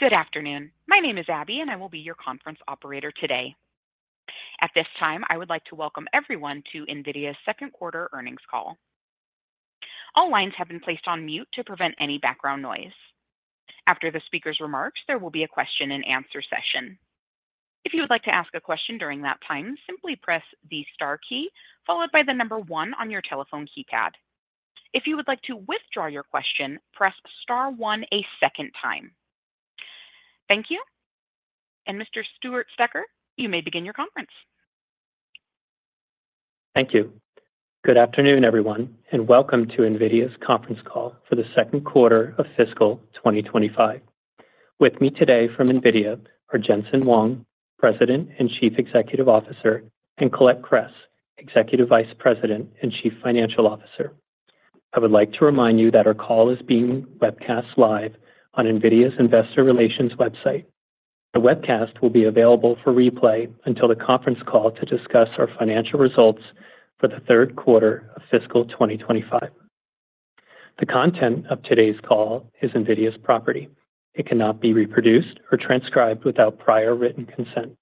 Good afternoon. My name is Abby, and I will be your conference operator today. At this time, I would like to welcome everyone to NVIDIA's second quarter earnings call. All lines have been placed on mute to prevent any background noise. After the speaker's remarks, there will be a question and answer session. If you would like to ask a question during that time, simply press the star key followed by the number one on your telephone keypad. If you would like to withdraw your question, press star one a second time. Thank you. And Mr. Stewart Stecker, you may begin your conference. Thank you. Good afternoon, everyone, and welcome to NVIDIA's conference call for the second quarter of fiscal twenty twenty-five. With me today from NVIDIA are Jensen Huang, President and Chief Executive Officer, and Colette Kress, Executive Vice President and Chief Financial Officer. I would like to remind you that our call is being webcast live on NVIDIA's Investor Relations website. The webcast will be available for replay until the conference call to discuss our financial results for the third quarter of fiscal twenty twenty-five. The content of today's call is NVIDIA's property. It cannot be reproduced or transcribed without prior written consent.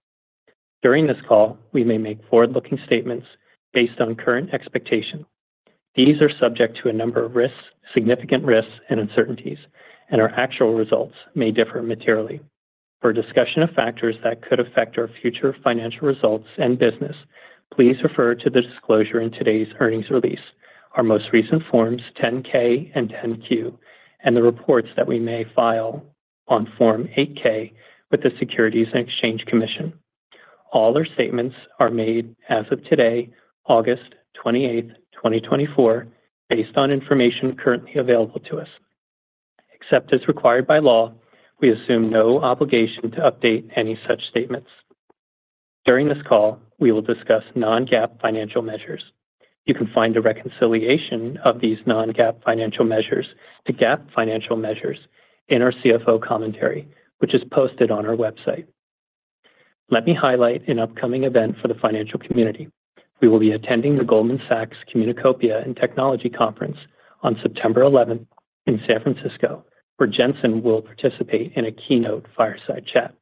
During this call, we may make forward-looking statements based on current expectations. These are subject to a number of risks, significant risks and uncertainties, and our actual results may differ materially. For a discussion of factors that could affect our future financial results and business, please refer to the disclosure in today's earnings release, our most recent Forms 10-K and 10-Q, and the reports that we may file on Form 8-K with the Securities and Exchange Commission. All our statements are made as of today, August twenty-eight, 2024, based on information currently available to us. Except as required by law, we assume no obligation to update any such statements. During this call, we will discuss non-GAAP financial measures. You can find a reconciliation of these non-GAAP financial measures to GAAP financial measures in our CFO Commentary, which is posted on our website. Let me highlight an upcoming event for the financial community. We will be attending the Goldman Sachs Communacopia and Technology Conference on September eleventh in San Francisco, where Jensen will participate in a keynote fireside chat.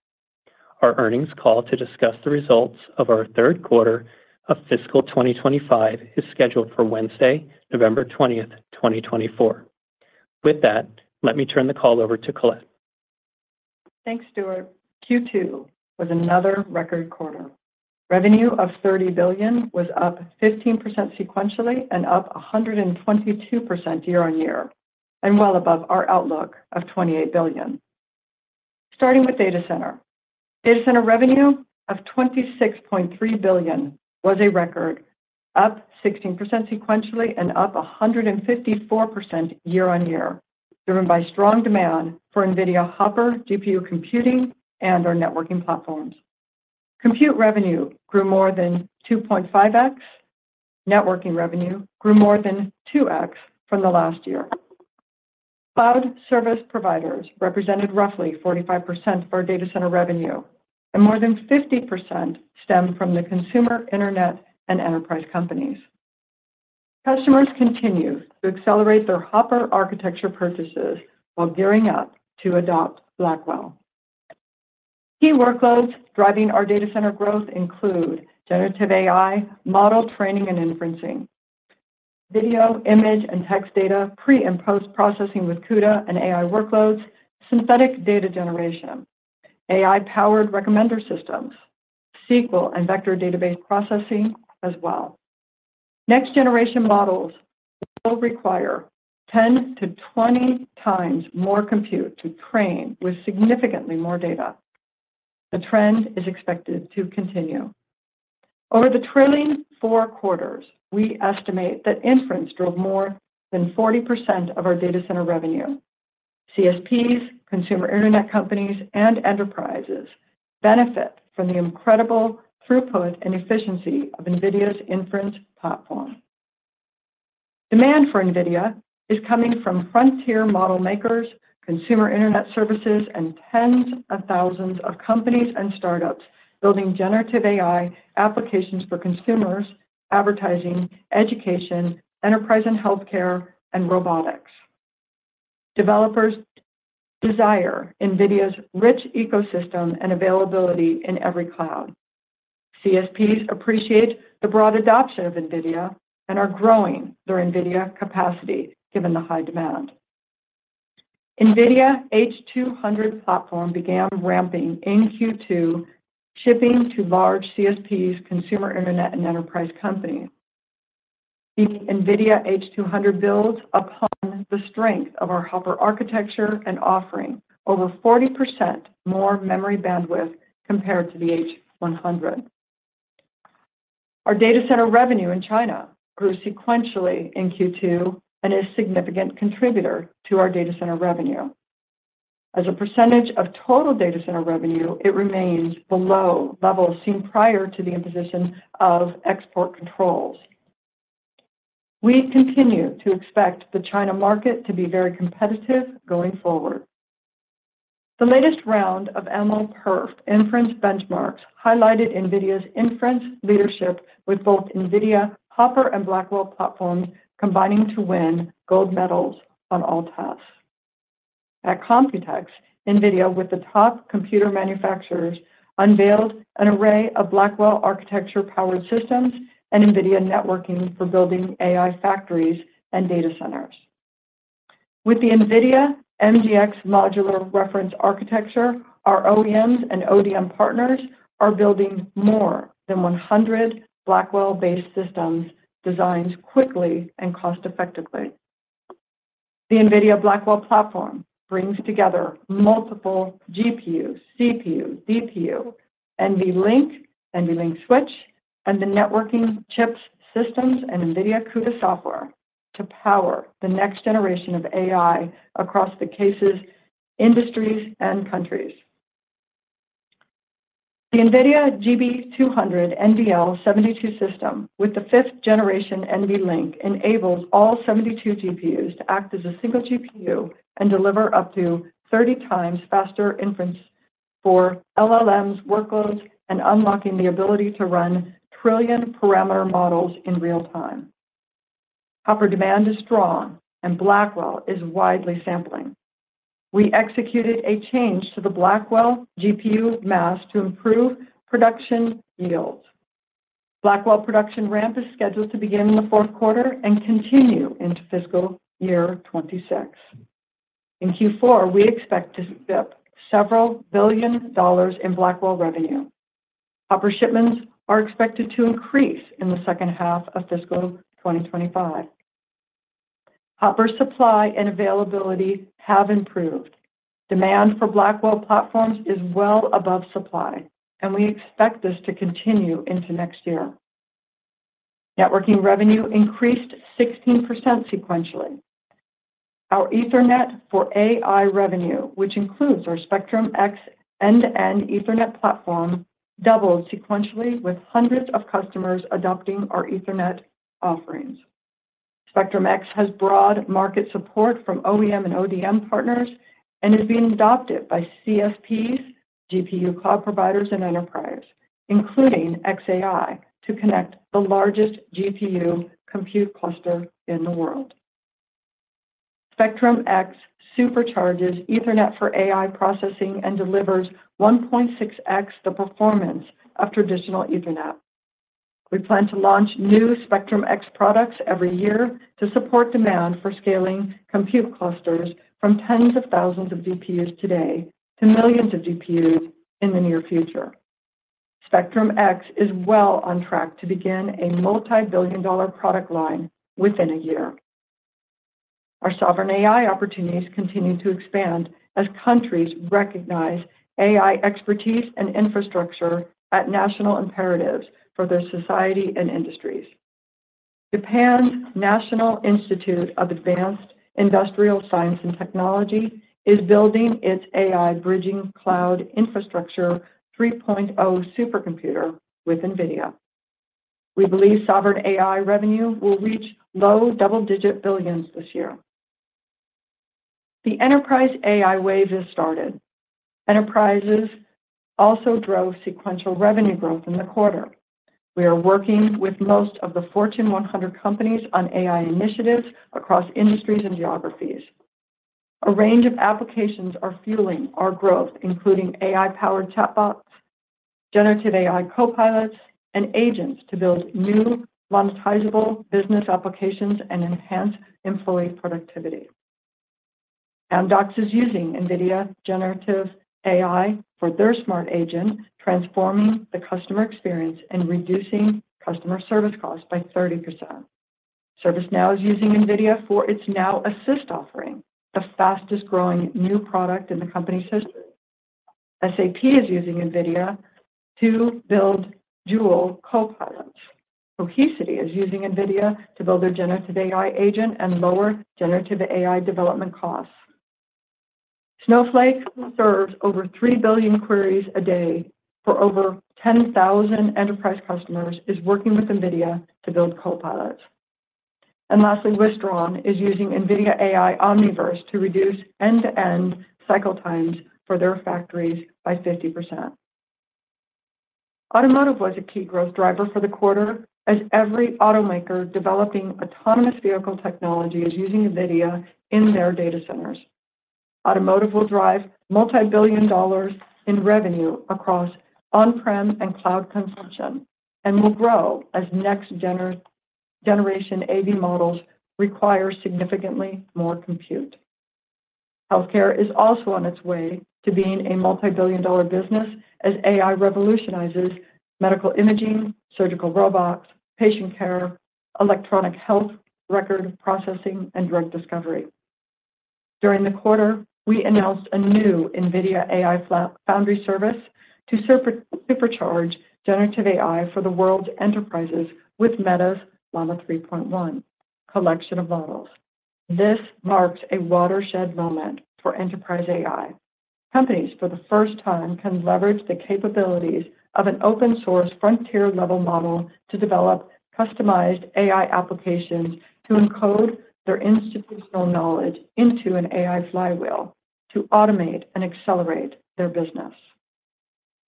Our earnings call to discuss the results of our third quarter of fiscal 2025 is scheduled for Wednesday, November twentieth, 2024. With that, let me turn the call over to Colette. Thanks, Stewart. Q2 was another record quarter. Revenue of $30 billion was up 15% sequentially and up 122% year on year, and well above our outlook of $28 billion. Starting with data center. Data center revenue of $26.3 billion was a record, up 16% sequentially and up 154% year on year, driven by strong demand for NVIDIA Hopper, GPU computing, and our networking platforms. Compute revenue grew more than 2.5X. Networking revenue grew more than 2X from the last year. Cloud service providers represented roughly 45% for our data center revenue, and more than 50% stemmed from the consumer, internet, and enterprise companies. Customers continue to accelerate their Hopper architecture purchases while gearing up to adopt Blackwell. Key workloads driving our data center growth include generative AI, model training and inferencing, video, image, and text data, pre- and post-processing with CUDA and AI workloads, synthetic data generation, AI-powered recommender systems, SQL and vector database processing as well. Next generation models will require ten to twenty times more compute to train with significantly more data. The trend is expected to continue. Over the trailing four quarters, we estimate that inference drove more than 40% of our data center revenue. CSPs, consumer internet companies, and enterprises benefit from the incredible throughput and efficiency of NVIDIA's inference platform. Demand for NVIDIA is coming from frontier model makers, consumer internet services, and tens of thousands of companies and startups building generative AI applications for consumers, advertising, education, enterprise and healthcare, and robotics. Developers desire NVIDIA's rich ecosystem and availability in every cloud. CSPs appreciate the broad adoption of NVIDIA and are growing their NVIDIA capacity given the high demand. NVIDIA H200 platform began ramping in Q2, shipping to large CSPs, consumer, internet, and enterprise companies. The NVIDIA H200 builds upon the strength of our Hopper architecture and offering over 40% more memory bandwidth compared to the H100. Our data center revenue in China grew sequentially in Q2 and is a significant contributor to our data center revenue. As a percentage of total data center revenue, it remains below levels seen prior to the imposition of export controls. We continue to expect the China market to be very competitive going forward. The latest round of MLPerf inference benchmarks highlighted NVIDIA's inference leadership with both NVIDIA Hopper and Blackwell platforms, combining to win gold medals on all tasks.... At Computex, NVIDIA, with the top computer manufacturers, unveiled an array of Blackwell architecture-powered systems and NVIDIA networking for building AI factories and data centers. With the NVIDIA MGX Modular Reference Architecture, our OEMs and ODM partners are building more than 100 Blackwell-based systems, designed quickly and cost-effectively. The NVIDIA Blackwell platform brings together multiple GPUs, CPUs, DPU, NVLink, NVLink Switch, and the networking chips systems and NVIDIA CUDA software to power the next generation of AI across the cases, industries, and countries. The NVIDIA GB200 NVL72 system, with the fifth generation NVLink, enables all 72 GPUs to act as a single GPU and deliver up to 30 times faster inference for LLMs workloads and unlocking the ability to run trillion parameter models in real time. Hopper demand is strong, and Blackwell is widely sampling. We executed a change to the Blackwell GPU mask to improve production yield. Blackwell production ramp is scheduled to begin in the fourth quarter and continue into fiscal year twenty-six. In Q4, we expect to ship $several billion in Blackwell revenue. Hopper shipments are expected to increase in the second half of fiscal twenty twenty-five. Hopper supply and availability have improved. Demand for Blackwell platforms is well above supply, and we expect this to continue into next year. Networking revenue increased 16% sequentially. Our Ethernet for AI revenue, which includes our Spectrum-X end-to-end Ethernet platform, doubled sequentially, with hundreds of customers adopting our Ethernet offerings. Spectrum-X has broad market support from OEM and ODM partners and is being adopted by CSPs, GPU cloud providers, and enterprise, including xAI, to connect the largest GPU compute cluster in the world. Spectrum-X supercharges Ethernet for AI processing and delivers 1.6x the performance of traditional Ethernet. We plan to launch new Spectrum-X products every year to support demand for scaling compute clusters from tens of thousands of GPUs today to millions of GPUs in the near future. Spectrum-X is well on track to begin a multi-billion-dollar product line within a year. Our sovereign AI opportunities continue to expand as countries recognize AI expertise and infrastructure as national imperatives for their society and industries. Japan's National Institute of Advanced Industrial Science and Technology is building its AI Bridging Cloud Infrastructure 3.0 supercomputer with NVIDIA. We believe sovereign AI revenue will reach low double-digit billions this year. The enterprise AI wave has started. Enterprises also drove sequential revenue growth in the quarter. We are working with most of the Fortune 100 companies on AI initiatives across industries and geographies. A range of applications are fueling our growth, including AI-powered chatbots, generative AI copilots, and agents to build new monetizable business applications and enhance employee productivity. Amdocs is using NVIDIA generative AI for their smart agent, transforming the customer experience and reducing customer service costs by 30%. ServiceNow is using NVIDIA for its Now Assist offering, the fastest-growing new product in the company's history. SAP is using NVIDIA to build Joule copilots. Cohesity is using NVIDIA to build their generative AI agent and lower generative AI development costs. Snowflake serves over 3 billion queries a day for over 10,000 enterprise customers. It is working with NVIDIA to build copilots. Lastly, Wistron is using NVIDIA AI Omniverse to reduce end-to-end cycle times for their factories by 50%. Automotive was a key growth driver for the quarter, as every automaker developing autonomous vehicle technology is using NVIDIA in their data centers. Automotive will drive multi-billion dollars in revenue across on-prem and cloud consumption and will grow as next generation AV models require significantly more compute. Healthcare is also on its way to being a multi-billion dollar business as AI revolutionizes medical imaging, surgical robots, patient care, electronic health record processing, and drug discovery. During the quarter, we announced a new NVIDIA AI Foundry service to supercharge generative AI for the world's enterprises with Meta's Llama 3.1 collection of models. This marks a watershed moment for enterprise AI. Companies, for the first time, can leverage the capabilities of an open-source frontier-level model to develop customized AI applications to encode their institutional knowledge into an AI flywheel to automate and accelerate their business.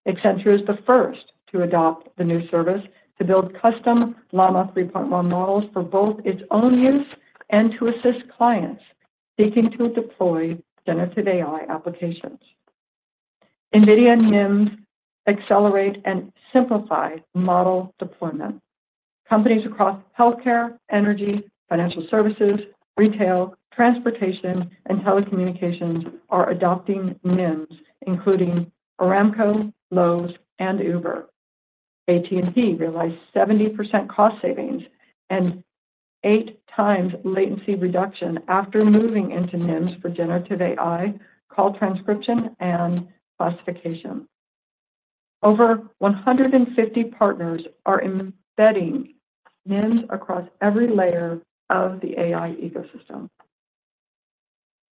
Accenture is the first to adopt the new service to build custom Llama 3.1 models for both its own use and to assist clients seeking to deploy generative AI applications. NVIDIA NIMs accelerate and simplify model deployment. Companies across healthcare, energy, financial services, retail, transportation, and telecommunications are adopting NIMs, including Aramco, Lowe's, and Uber. AT&T realized 70% cost savings and eight times latency reduction after moving into NIMs for generative AI, call transcription, and classification. Over 150 partners are embedding NIMs across every layer of the AI ecosystem.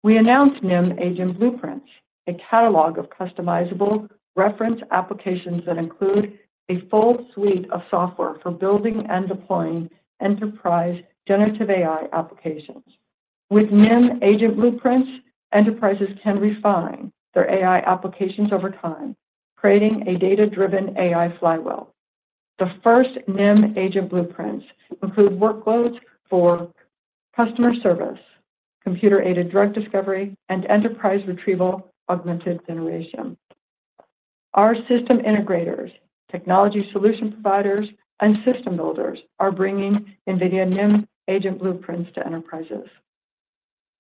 We announced NIM Agent Blueprints, a catalog of customizable reference applications that include a full suite of software for building and deploying enterprise generative AI applications. With NIM Agent Blueprints, enterprises can refine their AI applications over time, creating a data-driven AI flywheel. The first NIM Agent Blueprints include workloads for customer service, computer-aided drug discovery, and enterprise retrieval augmented generation. Our system integrators, technology solution providers, and system builders are bringing NVIDIA NIM Agent Blueprints to enterprises.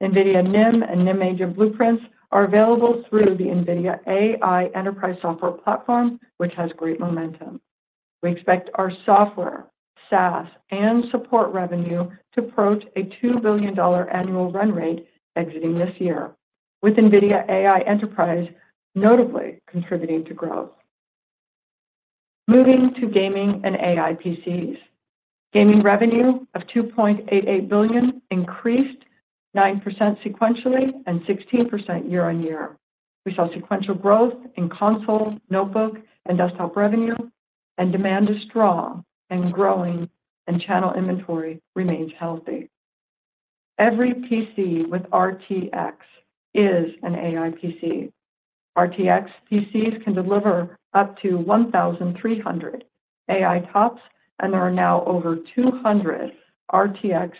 NVIDIA NIM and NIM Agent Blueprints are available through the NVIDIA AI Enterprise software platform, which has great momentum. We expect our software, SaaS, and support revenue to approach a $2 billion annual run rate exiting this year, with NVIDIA AI Enterprise notably contributing to growth. Moving to gaming and AI PCs. Gaming revenue of $2.88 billion increased 9% sequentially and 16% year on year. We saw sequential growth in console, notebook, and desktop revenue, and demand is strong and growing, and channel inventory remains healthy. Every PC with RTX is an AI PC. RTX PCs can deliver up to 1,300 AI TOPS, and there are now over 200 RTX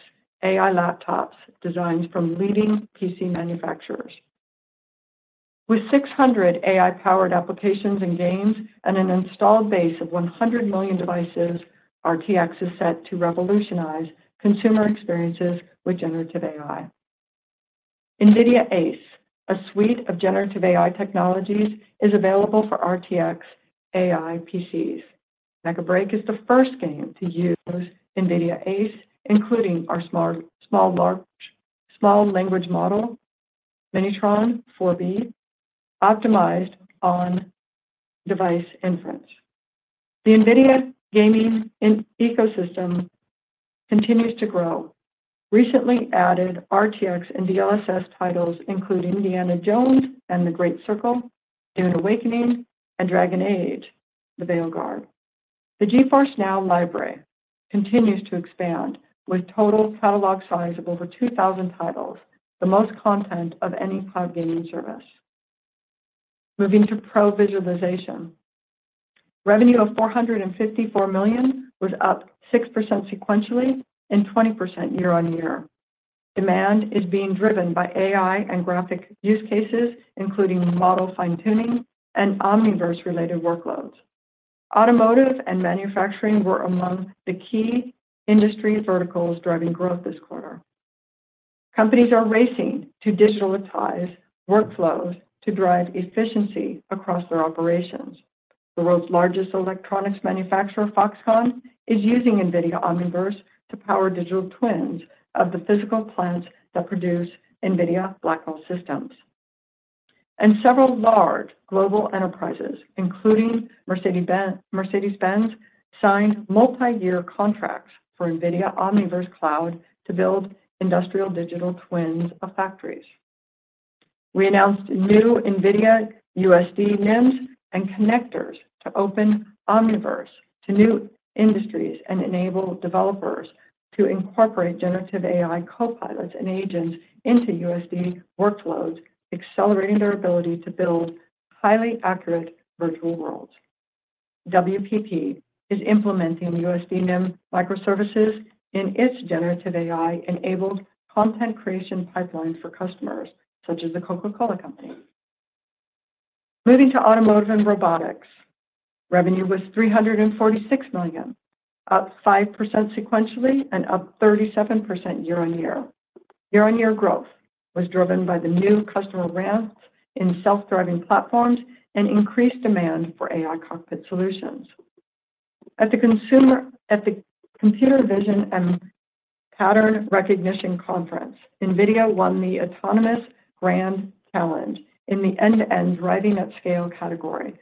AI laptops designed from leading PC manufacturers. With 600 AI-powered applications and games and an installed base of 100 million devices, RTX is set to revolutionize consumer experiences with generative AI. NVIDIA ACE, a suite of generative AI technologies, is available for RTX AI PCs. Mecha BREAK is the first game to use NVIDIA ACE, including our small language model, Minitron 4B, optimized on device inference. The NVIDIA gaming and ecosystem continues to grow. Recently added RTX and DLSS titles include Indiana Jones and the Great Circle, Dune: Awakening, and Dragon Age: The Veilguard. The GeForce NOW library continues to expand, with total catalog size of over 2,000 titles, the most content of any cloud gaming service. Moving to pro visualization. Revenue of $454 million was up 6% sequentially and 20% year on year. Demand is being driven by AI and graphic use cases, including model fine-tuning and Omniverse-related workloads. Automotive and manufacturing were among the key industry verticals driving growth this quarter. Companies are racing to digitalize workflows to drive efficiency across their operations. The world's largest electronics manufacturer, Foxconn, is using NVIDIA Omniverse to power digital twins of the physical plants that produce NVIDIA Blackwell systems, and several large global enterprises, including Mercedes-Benz, signed multi-year contracts for NVIDIA Omniverse Cloud to build industrial digital twins of factories. We announced new NVIDIA USD NIMs and connectors to open Omniverse to new industries and enable developers to incorporate generative AI copilots and agents into USD workloads, accelerating their ability to build highly accurate virtual worlds. WPP is implementing USD NIM microservices in its generative AI-enabled content creation pipeline for customers, such as The Coca-Cola Company. Moving to automotive and robotics. Revenue was $346 million, up 5% sequentially and up 37% year on year. Year on year growth was driven by the new customer ramps in self-driving platforms and increased demand for AI cockpit solutions. At the Computer Vision and Pattern Recognition Conference, NVIDIA won the Autonomous Grand Challenge in the end-to-end driving at scale category,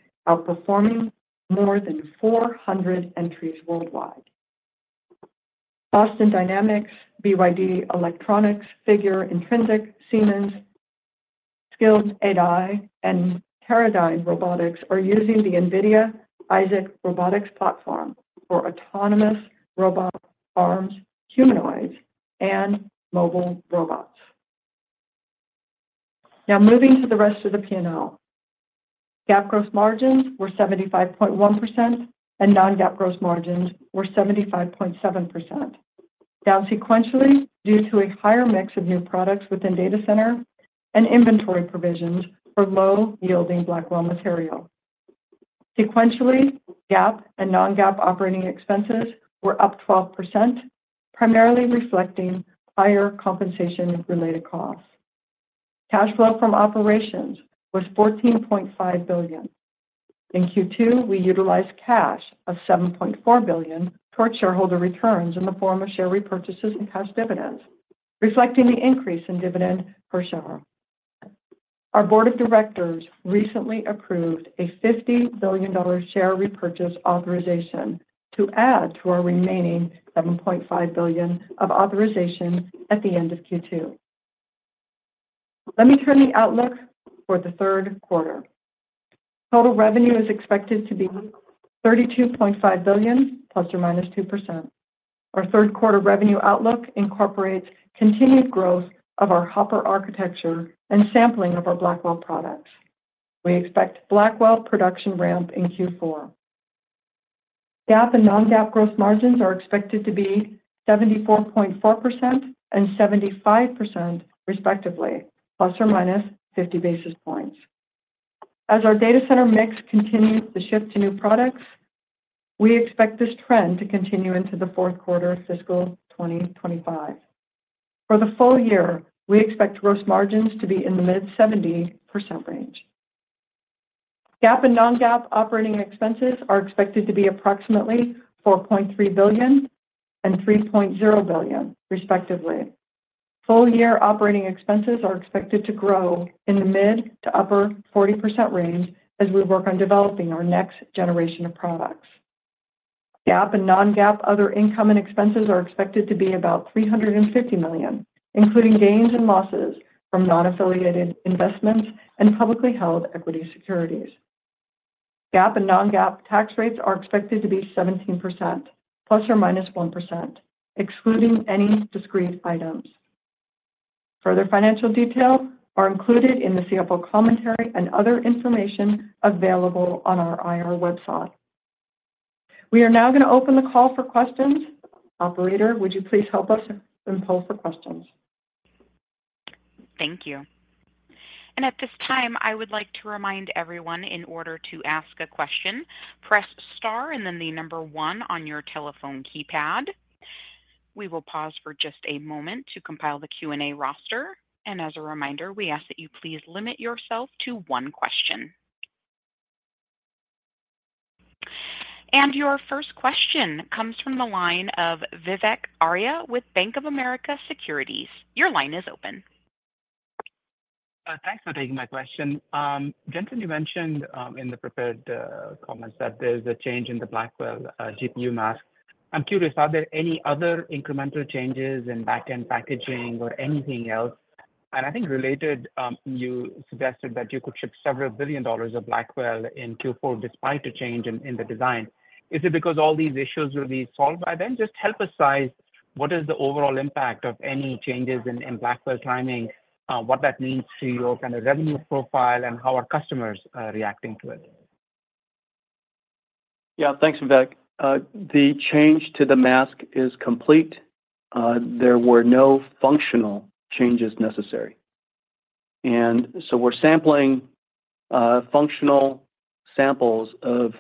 outperforming more than 400 entries worldwide. Boston Dynamics, BYD Electronics, Figure, Intrinsic, Siemens, Skild AI, and Teradyne Robotics are using the NVIDIA Isaac Robotics Platform for autonomous robot arms, humanoids, and mobile robots. Now moving to the rest of the P&L. GAAP gross margins were 75.1%, and non-GAAP gross margins were 75.7%. Down sequentially, due to a higher mix of new products within data center and inventory provisions for low-yielding Blackwell material. Sequentially, GAAP and non-GAAP operating expenses were up 12%, primarily reflecting higher compensation-related costs. Cash flow from operations was $14.5 billion. In Q2, we utilized cash of $7.4 billion towards shareholder returns in the form of share repurchases and cash dividends, reflecting the increase in dividend per share. Our board of directors recently approved a $50 billion share repurchase authorization to add to our remaining $7.5 billion of authorizations at the end of Q2. Let me turn to the outlook for the third quarter. Total revenue is expected to be $32.5 billion, plus or minus 2%. Our third quarter revenue outlook incorporates continued growth of our Hopper architecture and sampling of our Blackwell products. We expect Blackwell production ramp in Q4. GAAP and non-GAAP gross margins are expected to be 74.4% and 75% respectively, plus or minus fifty basis points. As our data center mix continues to shift to new products, we expect this trend to continue into the fourth quarter of fiscal 2025. For the full year, we expect gross margins to be in the mid-70% range. GAAP and non-GAAP operating expenses are expected to be approximately $4.3 billion and $3.0 billion, respectively. Full year operating expenses are expected to grow in the mid- to upper-40% range as we work on developing our next generation of products. GAAP and non-GAAP other income and expenses are expected to be about $350 million, including gains and losses from non-affiliated investments and publicly held equity securities. GAAP and non-GAAP tax rates are expected to be 17%, plus or minus 1%, excluding any discrete items. Further financial details are included in the CFO commentary and other information available on our IR website. We are now going to open the call for questions. Operator, would you please help us open the call for questions? Thank you. And at this time, I would like to remind everyone in order to ask a question, press * and then the number 1 on your telephone keypad. We will pause for just a moment to compile the Q&A roster. And as a reminder, we ask that you please limit yourself to one question. And your first question comes from the line of Vivek Arya with Bank of America Securities. Your line is open. Thanks for taking my question. Jensen, you mentioned in the prepared comments that there's a change in the Blackwell GPU mask. I'm curious, are there any other incremental changes in back-end packaging or anything else? And I think related, you suggested that you could ship several billion dollars of Blackwell in Q4 despite a change in the design. Is it because all these issues will be solved by then? Just help us size, what is the overall impact of any changes in Blackwell timing, what that means to your kind of revenue profile and how are customers reacting to it? Yeah. Thanks, Vivek. The change to the mask is complete. There were no functional changes necessary. And so we're sampling functional samples of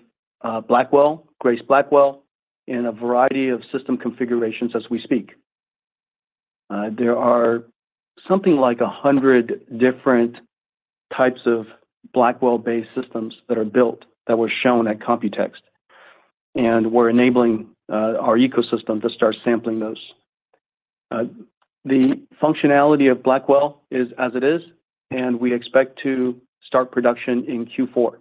Blackwell, Grace Blackwell, in a variety of system configurations as we speak. There are something like 100 different types of Blackwell-based systems that are built that were shown at Computex, and we're enabling our ecosystem to start sampling those. The functionality of Blackwell is as it is, and we expect to start production in Q4.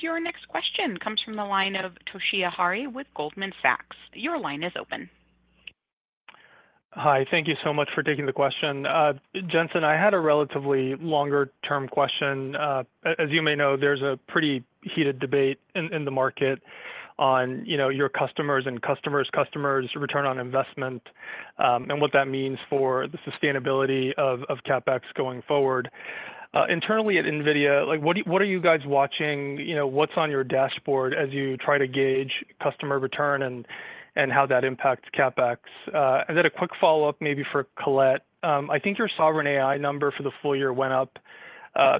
Your next question comes from the line of Toshiya Hari with Goldman Sachs. Your line is open. Hi. Thank you so much for taking the question. Jensen, I had a relatively longer term question. As you may know, there's a pretty heated debate in the market on, you know, your customers and customers' customers' return on investment, and what that means for the sustainability of CapEx going forward. Internally at NVIDIA, like, what are you guys watching? You know, what's on your dashboard as you try to gauge customer return and how that impacts CapEx? And then a quick follow-up, maybe for Colette. I think your sovereign AI number for the full year went up,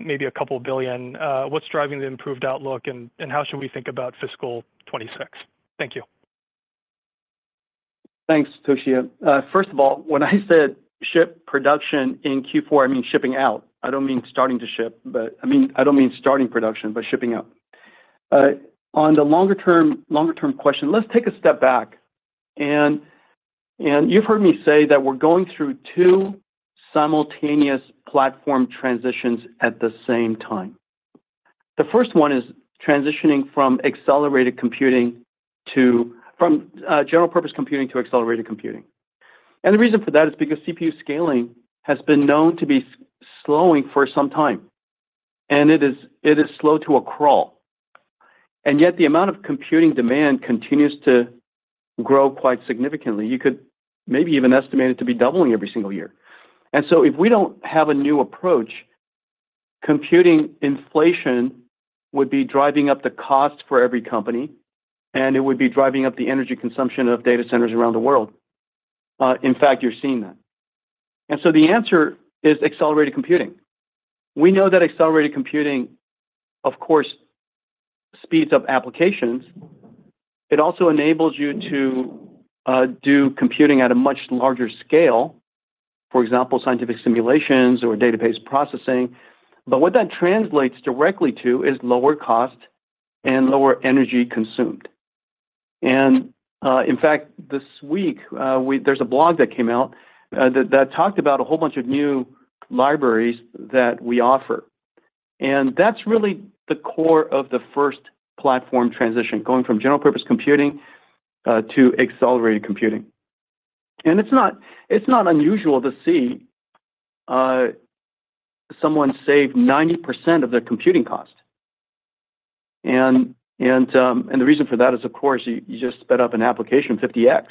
maybe $2 billion. What's driving the improved outlook, and how should we think about fiscal 2026? Thank you. Thanks, Toshiya. First of all, when I said ship production in Q4, I mean shipping out. I don't mean starting to ship, but I mean, I don't mean starting production, but shipping out. On the longer term question, let's take a step back, and you've heard me say that we're going through two simultaneous platform transitions at the same time. The first one is transitioning from general purpose computing to accelerated computing. And the reason for that is because CPU scaling has been known to be slowing for some time, and it is slow to a crawl.… And yet the amount of computing demand continues to grow quite significantly. You could maybe even estimate it to be doubling every single year. And so if we don't have a new approach, computing inflation would be driving up the cost for every company, and it would be driving up the energy consumption of data centers around the world. In fact, you're seeing that. And so the answer is accelerated computing. We know that accelerated computing, of course, speeds up applications. It also enables you to do computing at a much larger scale, for example, scientific simulations or database processing. But what that translates directly to is lower cost and lower energy consumed. And, in fact, this week, there's a blog that came out that talked about a whole bunch of new libraries that we offer. That's really the core of the first platform transition, going from general purpose computing to accelerated computing. It's not unusual to see someone save 90% of their computing cost. And the reason for that is, of course, you just sped up an application 50X.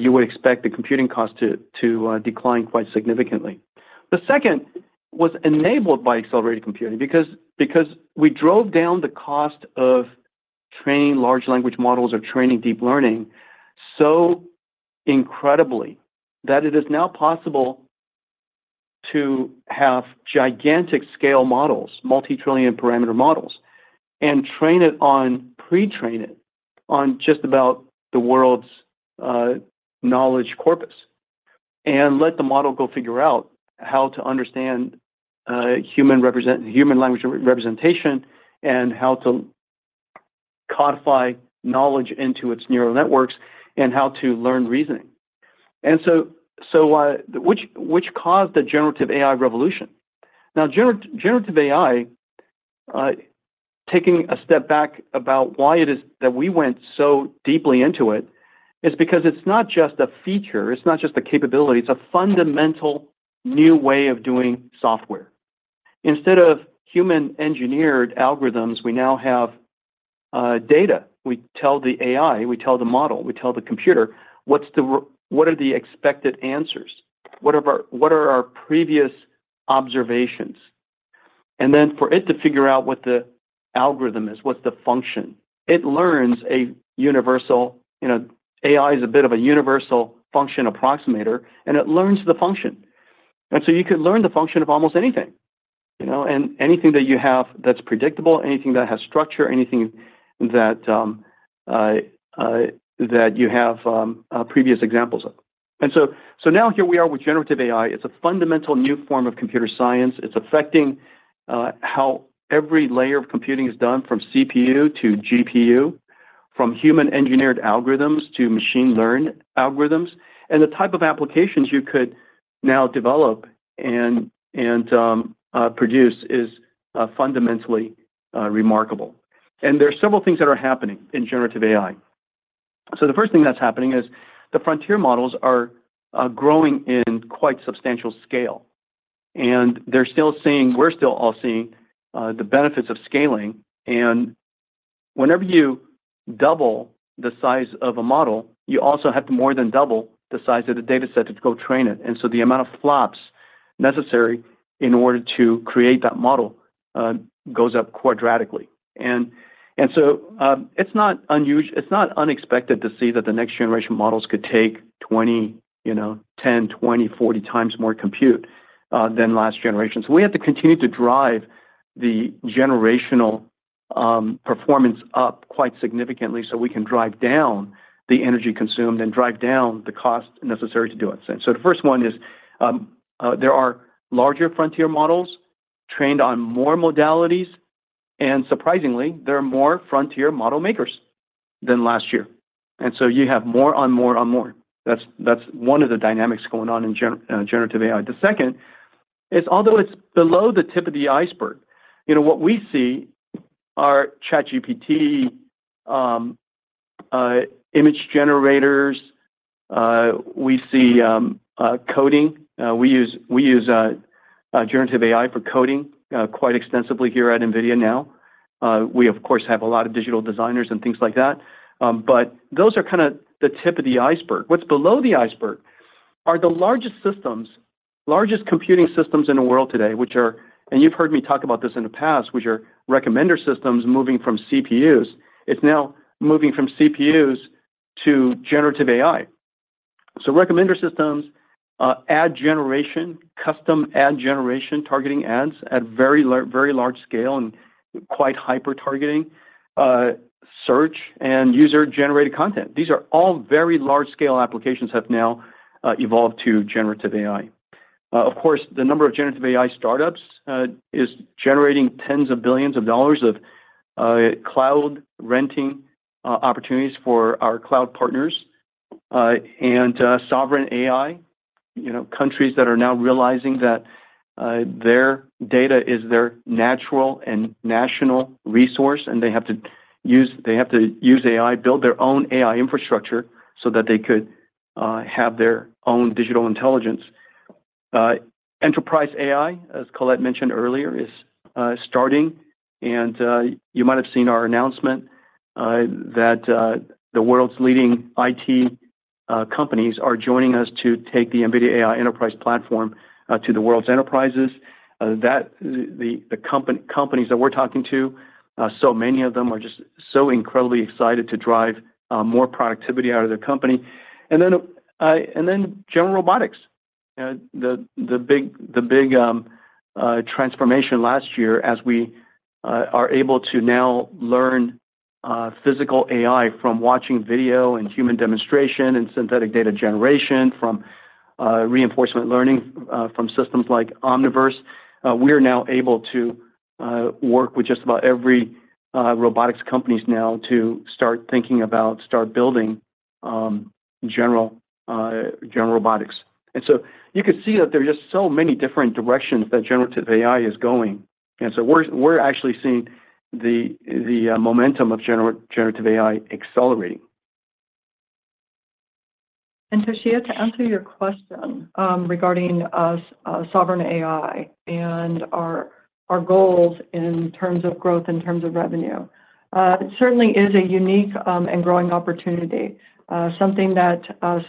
You would expect the computing cost to decline quite significantly. The second was enabled by accelerated computing, because we drove down the cost of training large language models or training deep learning so incredibly, that it is now possible to have gigantic scale models, multi-trillion parameter models, and train it on, pre-train it on just about the world's knowledge corpus, and let the model go figure out how to understand human language representation, and how to codify knowledge into its neural networks, and how to learn reasoning. And so, which caused the generative AI revolution. Now, generative AI, taking a step back about why it is that we went so deeply into it, is because it's not just a feature, it's not just a capability, it's a fundamental new way of doing software. Instead of human-engineered algorithms, we now have data. We tell the AI, we tell the model, we tell the computer, what are the expected answers? What are our, what are our previous observations? And then for it to figure out what the algorithm is, what's the function. It learns a universal... You know, AI is a bit of a universal function approximator, and it learns the function. And so you could learn the function of almost anything, you know. And anything that you have that's predictable, anything that has structure, anything that that you have previous examples of. And so, so now here we are with generative AI. It's a fundamental new form of computer science. It's affecting how every layer of computing is done, from CPU to GPU, from human-engineered algorithms to machine learning algorithms. The type of applications you could now develop and produce is fundamentally remarkable. There are several things that are happening in generative AI. The first thing that's happening is the frontier models are growing in quite substantial scale, and they're still seeing-- we're still all seeing the benefits of scaling. Whenever you double the size of a model, you also have to more than double the size of the data set to go train it. The amount of flops necessary in order to create that model goes up quadratically. It's not unus-- it's not unexpected to see that the next generation models could take twenty, you know, ten, twenty, forty times more compute than last generation. So we have to continue to drive the generational performance up quite significantly so we can drive down the energy consumed and drive down the cost necessary to do it. So the first one is, there are larger frontier models trained on more modalities, and surprisingly, there are more frontier model makers than last year. And so you have more and more and more. That's one of the dynamics going on in generative AI. The second is, although it's below the tip of the iceberg, you know, what we see are ChatGPT, image generators, coding. We use generative AI for coding quite extensively here at NVIDIA now. We, of course, have a lot of digital designers and things like that, but those are kinda the tip of the iceberg. What's below the iceberg are the largest systems, largest computing systems in the world today, which are, and you've heard me talk about this in the past, which are recommender systems moving from CPUs. It's now moving from CPUs to generative AI. Recommender systems, ad generation, custom ad generation, targeting ads at very large scale and quite hyper-targeting, search and user-generated content. These are all very large-scale applications have now evolved to generative AI. Of course, the number of generative AI startups is generating tens of billions of dollars of cloud renting opportunities for our cloud partners, and sovereign AI. You know, countries that are now realizing that their data is their natural and national resource, and they have to use AI, build their own AI infrastructure so that they could have their own digital intelligence. Enterprise AI, as Colette mentioned earlier, is starting. You might have seen our announcement that the world's leading IT companies are joining us to take the NVIDIA AI Enterprise platform to the world's enterprises. The companies that we're talking to, so many of them are just so incredibly excited to drive more productivity out of their company, and then general robotics. The big transformation last year as we are able to now learn physical AI from watching video, and human demonstration, and synthetic data generation, from reinforcement learning, from systems like Omniverse. We are now able to work with just about every robotics companies now to start building general robotics. And so you can see that there are just so many different directions that generative AI is going. And so we're actually seeing the momentum of generative AI accelerating. Toshiya, to answer your question regarding Sovereign AI and our goals in terms of growth, in terms of revenue. It certainly is a unique and growing opportunity, something that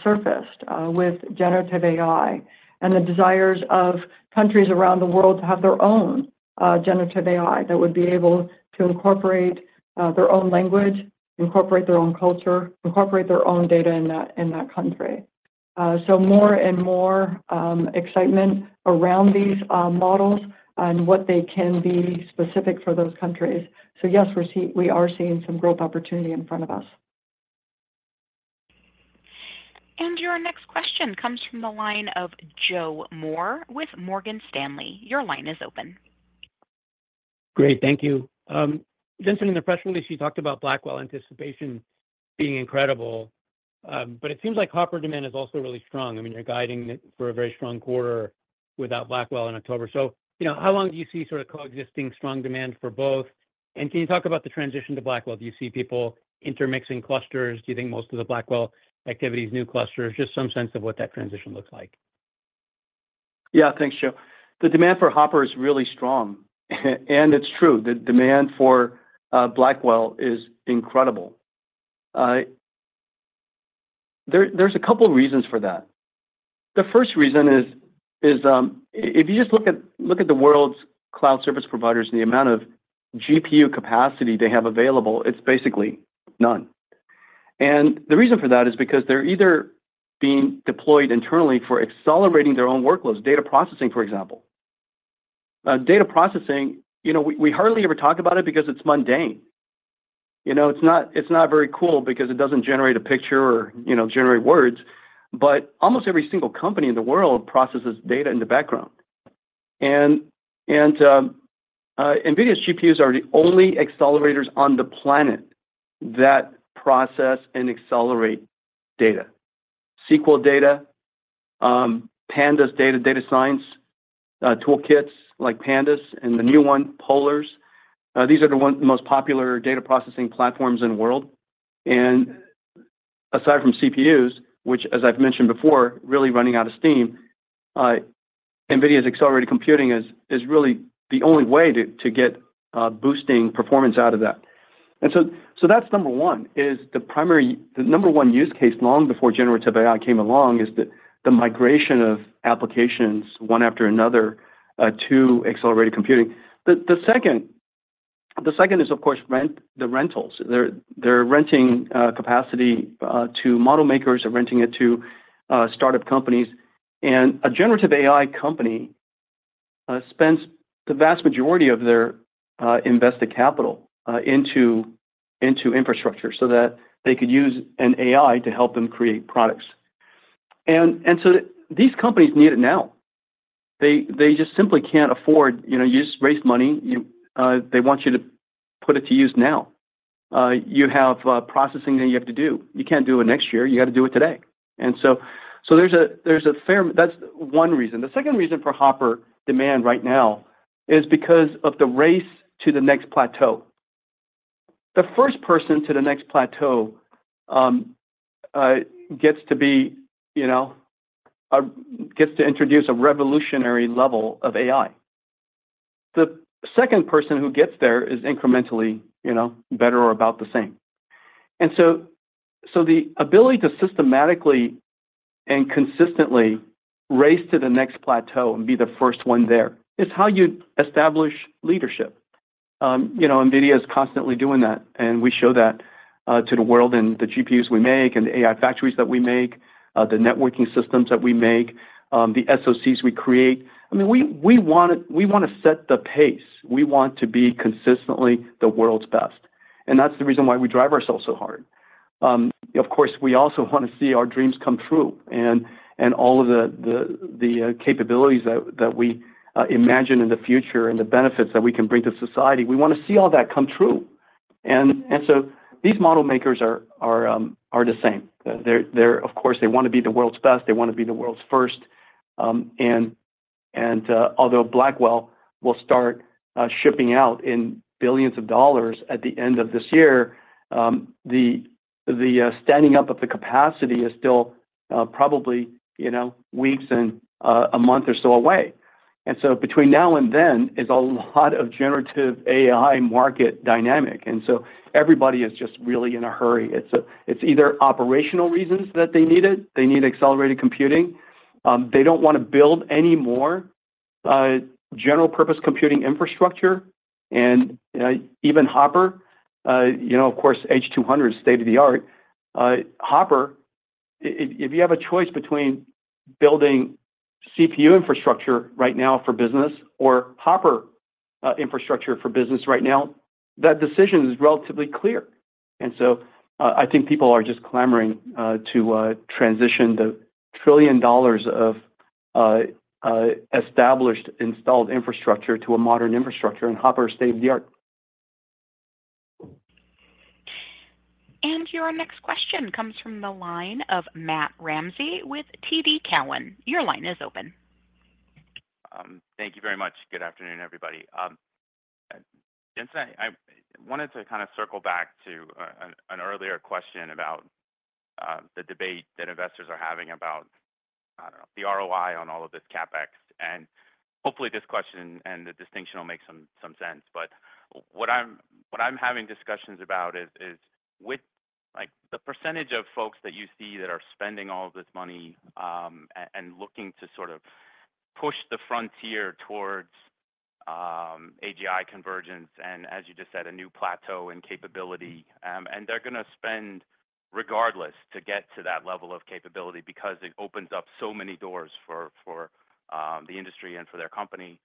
surfaced with generative AI and the desires of countries around the world to have their own generative AI that would be able to incorporate their own language, incorporate their own culture, incorporate their own data in that country. So more and more excitement around these models and what they can be specific for those countries. So yes, we're seeing some growth opportunity in front of us. And your next question comes from the line of Joe Moore with Morgan Stanley. Your line is open. Great. Thank you. Jensen, in the press release, you talked about Blackwell anticipation being incredible. But it seems like Hopper demand is also really strong. I mean, you're guiding it for a very strong quarter without Blackwell in October. So, you know, how long do you see sort of coexisting strong demand for both? And can you talk about the transition to Blackwell? Do you see people intermixing clusters? Do you think most of the Blackwell activity is new clusters? Just some sense of what that transition looks like. Yeah. Thanks, Joe. The demand for Hopper is really strong. And it's true, the demand for Blackwell is incredible. There's a couple reasons for that. The first reason is if you just look at the world's cloud service providers and the amount of GPU capacity they have available, it's basically none. And the reason for that is because they're either being deployed internally for accelerating their own workloads, data processing, for example. Data processing, you know, we hardly ever talk about it because it's mundane. You know, it's not very cool because it doesn't generate a picture or, you know, generate words. But almost every single company in the world processes data in the background. NVIDIA's GPUs are the only accelerators on the planet that process and accelerate data. SQL data, Pandas data, data science toolkits like Pandas and the new one, Polars. These are the one-- the most popular data processing platforms in the world. Aside from CPUs, which, as I've mentioned before, really running out of steam, NVIDIA's accelerated computing is, is really the only way to, to get boosting performance out of that. And so, so that's number one, is the primary-- the number one use case, long before generative AI came along, is the, the migration of applications, one after another, to accelerated computing. The, the second, the second is, of course, rent-- the rentals. They're, they're renting capacity to model makers or renting it to startup companies. A generative AI company spends the vast majority of their invested capital into infrastructure so that they could use an AI to help them create products. So these companies need it now. They just simply can't afford. You know, you just raise money, they want you to put it to use now. You have processing that you have to do. You can't do it next year. You got to do it today. So there's a fair. That's one reason. The second reason for Hopper demand right now is because of the race to the next plateau. The first person to the next plateau gets to be, you know, gets to introduce a revolutionary level of AI. The second person who gets there is incrementally, you know, better or about the same. The ability to systematically and consistently race to the next plateau and be the first one there is how you establish leadership. You know, NVIDIA is constantly doing that, and we show that to the world in the GPUs we make, and the AI factories that we make, the networking systems that we make, the SoCs we create. I mean, we wanna set the pace. We want to be consistently the world's best, and that's the reason why we drive ourselves so hard. Of course, we also wanna see our dreams come true, and all of the capabilities that we imagine in the future and the benefits that we can bring to society, we wanna see all that come true. These model makers are the same. Of course, they wanna be the world's best, they wanna be the world's first. Although Blackwell will start shipping out in billions of dollars at the end of this year, the standing up of the capacity is still probably, you know, weeks and a month or so away. And so between now and then is a lot of generative AI market dynamic, and so everybody is just really in a hurry. It's either operational reasons that they need it, they need accelerated computing, they don't wanna build any more general purpose computing infrastructure. And even Hopper, you know, of course, H200 is state-of-the-art. Hopper, if you have a choice between building CPU infrastructure right now for business or Hopper infrastructure for business right now, that decision is relatively clear. And so, I think people are just clamoring to transition the $1 trillion of established, installed infrastructure to a modern infrastructure, and Hopper is state-of-the-art. Your next question comes from the line of Matt Ramsey with TD Cowen. Your line is open. Thank you very much. Good afternoon, everybody. Jensen, I wanted to kind of circle back to an earlier question about the debate that investors are having about, I don't know, the ROI on all of this CapEx. And hopefully this question and the distinction will make some sense. But what I'm having discussions about is with, like, the percentage of folks that you see that are spending all of this money, and looking to sort of push the frontier towards AGI convergence, and as you just said, a new plateau in capability. And they're gonna spend regardless to get to that level of capability because it opens up so many doors for the industry and for their company,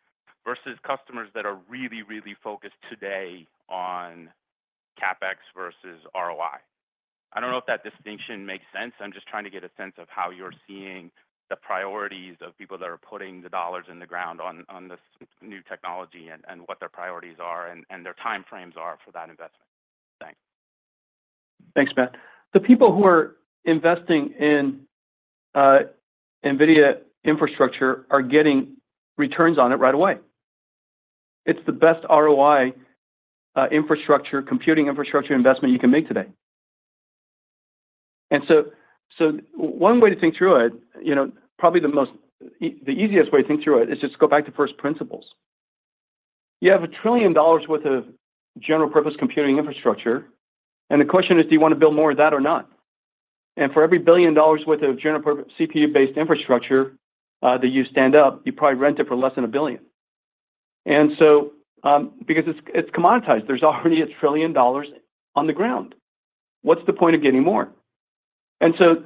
versus customers that are really, really focused today on CapEx versus ROI. I don't know if that distinction makes sense. I'm just trying to get a sense of how you're seeing the priorities of people that are putting the dollars in the ground on this new technology and what their priorities are, and their time frames are for that investment. Thanks. Thanks, Matt. The people who are investing in NVIDIA infrastructure are getting returns on it right away. It's the best ROI infrastructure, computing infrastructure investment you can make today. So one way to think through it, you know, the easiest way to think through it is just go back to first principles. You have $1 trillion worth of general purpose computing infrastructure, and the question is: Do you wanna build more of that or not? And for every $1 billion worth of general purpose CPU-based infrastructure that you stand up, you probably rent it for less than $1 billion. So because it's commoditized, there's already $1 trillion on the ground. What's the point of getting more? And so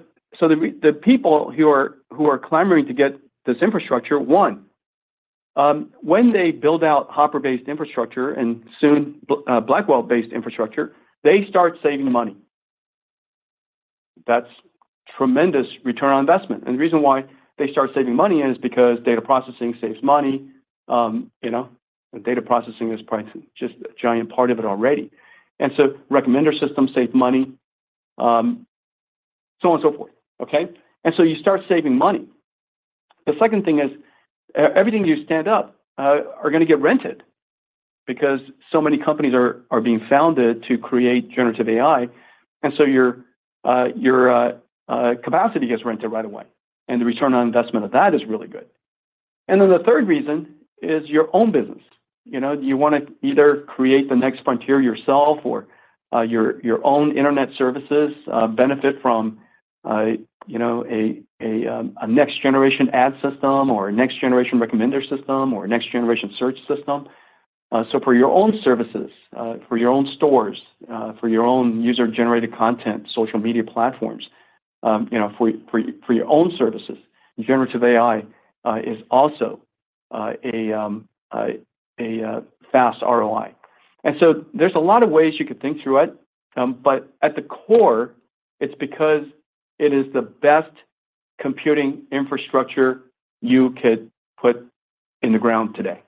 the people who are clamoring to get this infrastructure, one, when they build out Hopper-based infrastructure, and soon, Blackwell-based infrastructure, they start saving money. That's tremendous return on investment. And the reason why they start saving money is because data processing saves money. You know, and data processing is probably just a giant part of it already. And so recommender systems save money, so on and so forth, okay? And so you start saving money. The second thing is, everything you stand up are gonna get rented because so many companies are being founded to create generative AI, and so your capacity gets rented right away, and the return on investment of that is really good. And then the third reason is your own business. You know, you wanna either create the next frontier yourself or your own internet services benefit from you know a next-generation ad system or a next-generation recommender system or a next-generation search system. So for your own services, for your own stores, for your own user-generated content, social media platforms, you know, for your own services, generative AI is also a fast ROI. And so there's a lot of ways you could think through it, but at the core, it's because it is the best computing infrastructure you could put in the ground today.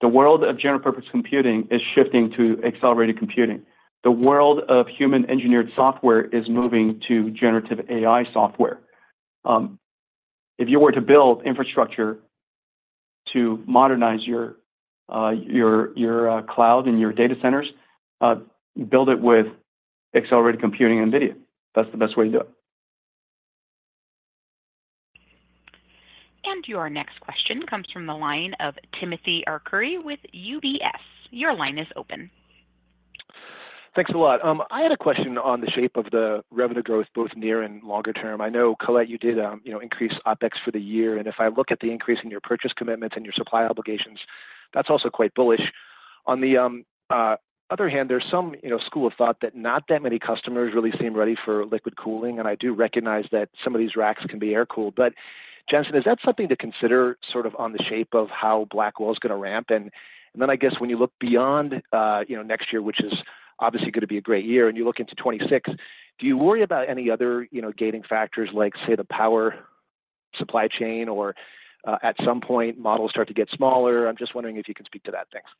The world of general purpose computing is shifting to accelerated computing. The world of human-engineered software is moving to generative AI software. If you were to build infrastructure to modernize your cloud and your data centers, build it with accelerated computing NVIDIA. That's the best way to do it. And your next question comes from the line of Timothy Arcuri with UBS. Your line is open. Thanks a lot. I had a question on the shape of the revenue growth, both near and longer term. I know, Colette, you did, you know, increase OpEx for the year, and if I look at the increase in your purchase commitments and your supply obligations, that's also quite bullish. On the other hand, there's some, you know, school of thought that not that many customers really seem ready for liquid cooling, and I do recognize that some of these racks can be air-cooled. But Jensen, is that something to consider, sort of on the shape of how Blackwell is gonna ramp? Then I guess when you look beyond, you know, next year, which is obviously gonna be a great year, and you look into 2026, do you worry about any other, you know, gating factors, like, say, the power supply chain, or, at some point, models start to get smaller? I'm just wondering if you can speak to that. Thanks. ...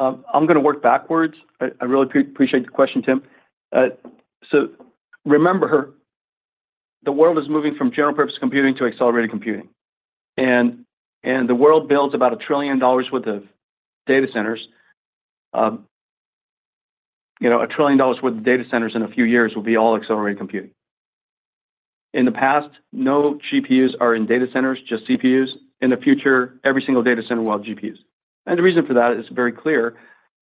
I'm gonna work backwards. I really appreciate the question, Tim. So remember, the world is moving from general-purpose computing to accelerated computing. And the world builds about $1 trillion worth of data centers. You know, $1 trillion worth of data centers in a few years will be all accelerated computing. In the past, no GPUs are in data centers, just CPUs. In the future, every single data center will have GPUs. And the reason for that is very clear,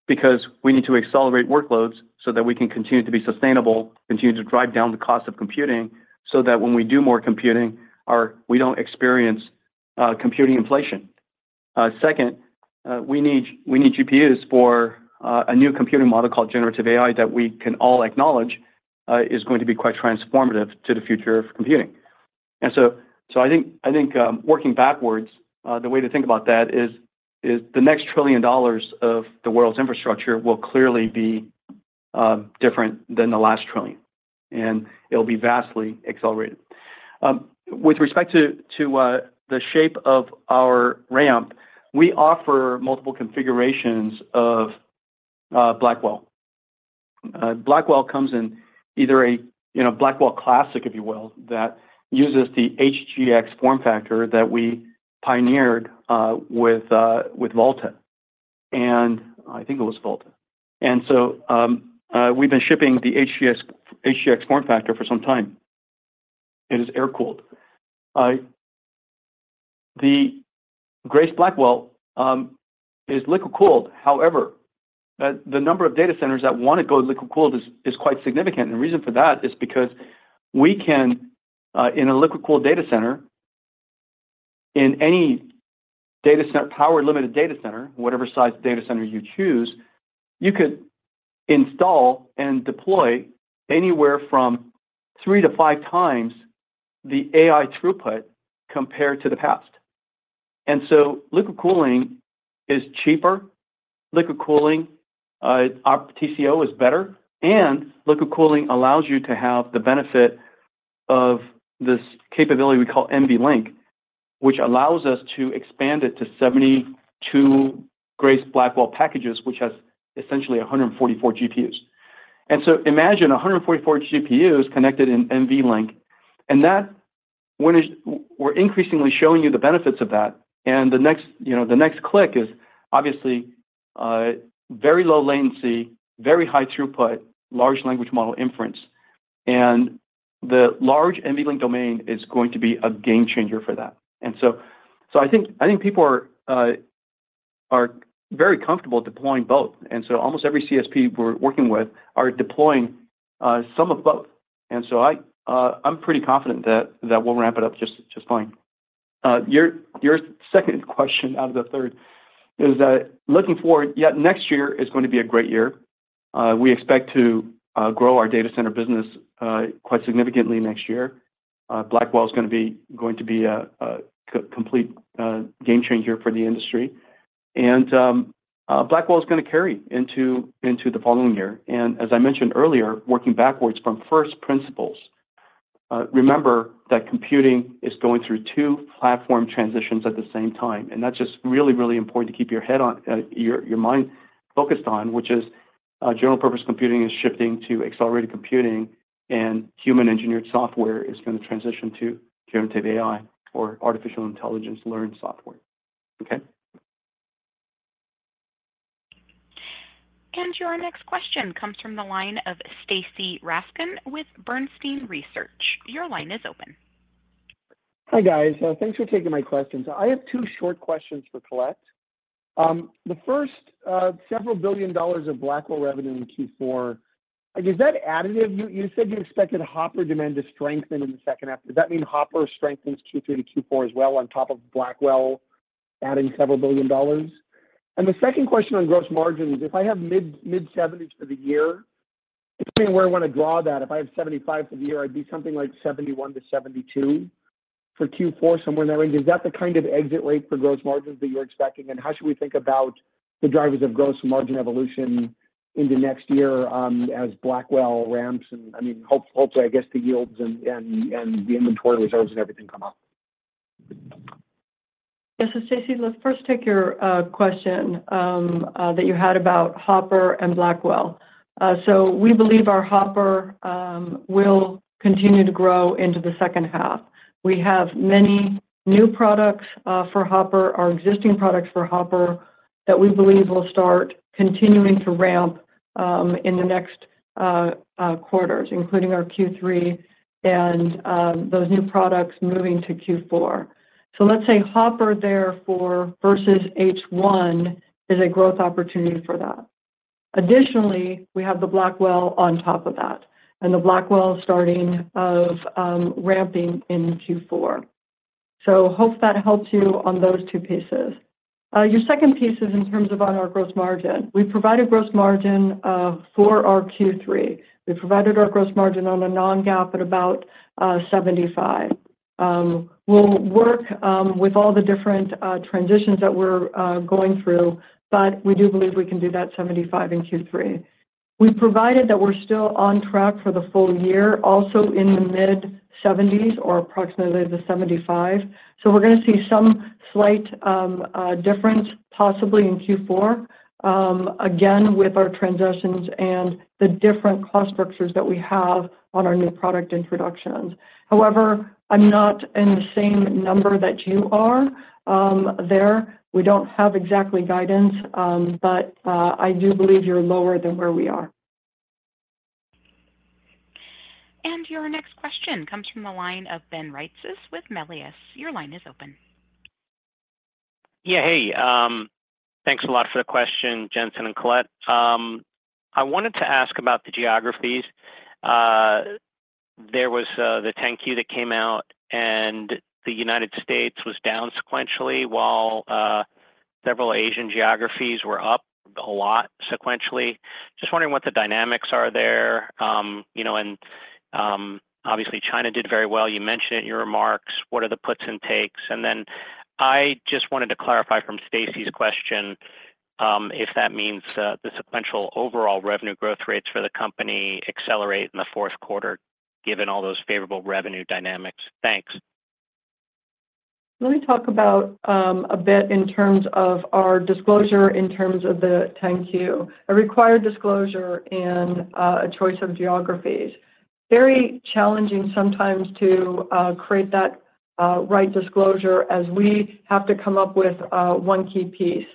because we need to accelerate workloads so that we can continue to be sustainable, continue to drive down the cost of computing, so that when we do more computing, we don't experience computing inflation. Second, we need GPUs for a new computing model called generative AI that we can all acknowledge is going to be quite transformative to the future of computing, so I think working backwards the way to think about that is the next trillion dollars of the world's infrastructure will clearly be different than the last trillion, and it'll be vastly accelerated. With respect to the shape of our ramp, we offer multiple configurations of Blackwell. Blackwell comes in either a you know Blackwell Classic, if you will, that uses the HGX form factor that we pioneered with Volta, and I think it was Volta, so we've been shipping the HGX form factor for some time. It is air-cooled. The Grace Blackwell is liquid-cooled. However, the number of data centers that wanna go liquid-cooled is quite significant. And the reason for that is because we can, in a liquid-cooled data center, in any data center, power-limited data center, whatever size data center you choose, you could install and deploy anywhere from three to five times the AI throughput compared to the past. And so liquid cooling is cheaper. Liquid cooling, our TCO is better, and liquid cooling allows you to have the benefit of this capability we call NVLink, which allows us to expand it to 72 Grace Blackwell packages, which has essentially 144 GPUs. And so imagine 144 GPUs connected in NVLink, and that when it. We're increasingly showing you the benefits of that. The next, you know, the next click is obviously very low latency, very high throughput, large language model inference, and the large NVLink domain is going to be a game changer for that. So I think people are very comfortable deploying both, and so almost every CSP we're working with are deploying some of both. So I'm pretty confident that we'll ramp it up just fine. Your second question out of the third is that looking forward, yeah, next year is going to be a great year. We expect to grow our data center business quite significantly next year. Blackwell is going to be a complete game changer for the industry. Blackwell is going to carry into the following year. As I mentioned earlier, working backwards from first principles, remember that computing is going through two platform transitions at the same time, and that's just really, really important to keep your head on, your mind focused on, which is general-purpose computing is shifting to accelerated computing, and human-engineered software is gonna transition to generative AI or artificial intelligence learned software. Okay? And your next question comes from the line of Stacy Rasgon with Bernstein Research. Your line is open. Hi, guys. Thanks for taking my questions. I have two short questions for Colette. The first, several billion dollars of Blackwell revenue in Q4, is that additive? You said you expected Hopper demand to strengthen in the second half. Does that mean Hopper strengthens Q3 to Q4 as well, on top of Blackwell adding several billion dollars? And the second question on gross margins, if I have mid-70s% for the year, depending on where I want to draw that, if I have 75% for the year, I'd be something like 71%-72% for Q4, somewhere in that range. Is that the kind of exit rate for gross margins that you're expecting, and how should we think about the drivers of gross margin evolution into next year, as Blackwell ramps and, I mean, hopefully, I guess the yields and the inventory reserves and everything come up? Yes. So Stacy, let's first take your question that you had about Hopper and Blackwell. So we believe our Hopper will continue to grow into the second half. We have many new products for Hopper, our existing products for Hopper, that we believe will start continuing to ramp in the next quarters, including our Q3 and those new products moving to Q4. So let's say Hopper therefore, versus H1, is a growth opportunity for that. Additionally, we have the Blackwell on top of that, and the Blackwell starting of ramping in Q4. So hope that helps you on those two pieces. Your second piece is in terms of on our gross margin. We provided gross margin for our Q3. We provided our gross margin on a non-GAAP at about 75%. We'll work with all the different transitions that we're going through, but we do believe we can do that 75 in Q3.... We provided that we're still on track for the full year, also in the mid-70s or approximately 75. So we're gonna see some slight difference possibly in Q4, again, with our transitions and the different cost structures that we have on our new product introductions. However, I'm not in the same number that you are, there. We don't have exactly guidance, but I do believe you're lower than where we are. Your next question comes from the line of Ben Reitzes with Melius. Your line is open. Yeah, hey, thanks a lot for the question, Jensen and Colette. I wanted to ask about the geographies. There was the 10-Q that came out, and the United States was down sequentially, while several Asian geographies were up a lot sequentially. Just wondering what the dynamics are there. You know, and obviously, China did very well. You mentioned in your remarks what are the puts and takes. And then I just wanted to clarify from Stacy's question, if that means the sequential overall revenue growth rates for the company accelerate in the fourth quarter, given all those favorable revenue dynamics? Thanks. Let me talk about a bit in terms of our disclosure, in terms of the 10-Q, a required disclosure and a choice of geographies. Very challenging sometimes to create that right disclosure as we have to come up with one key piece.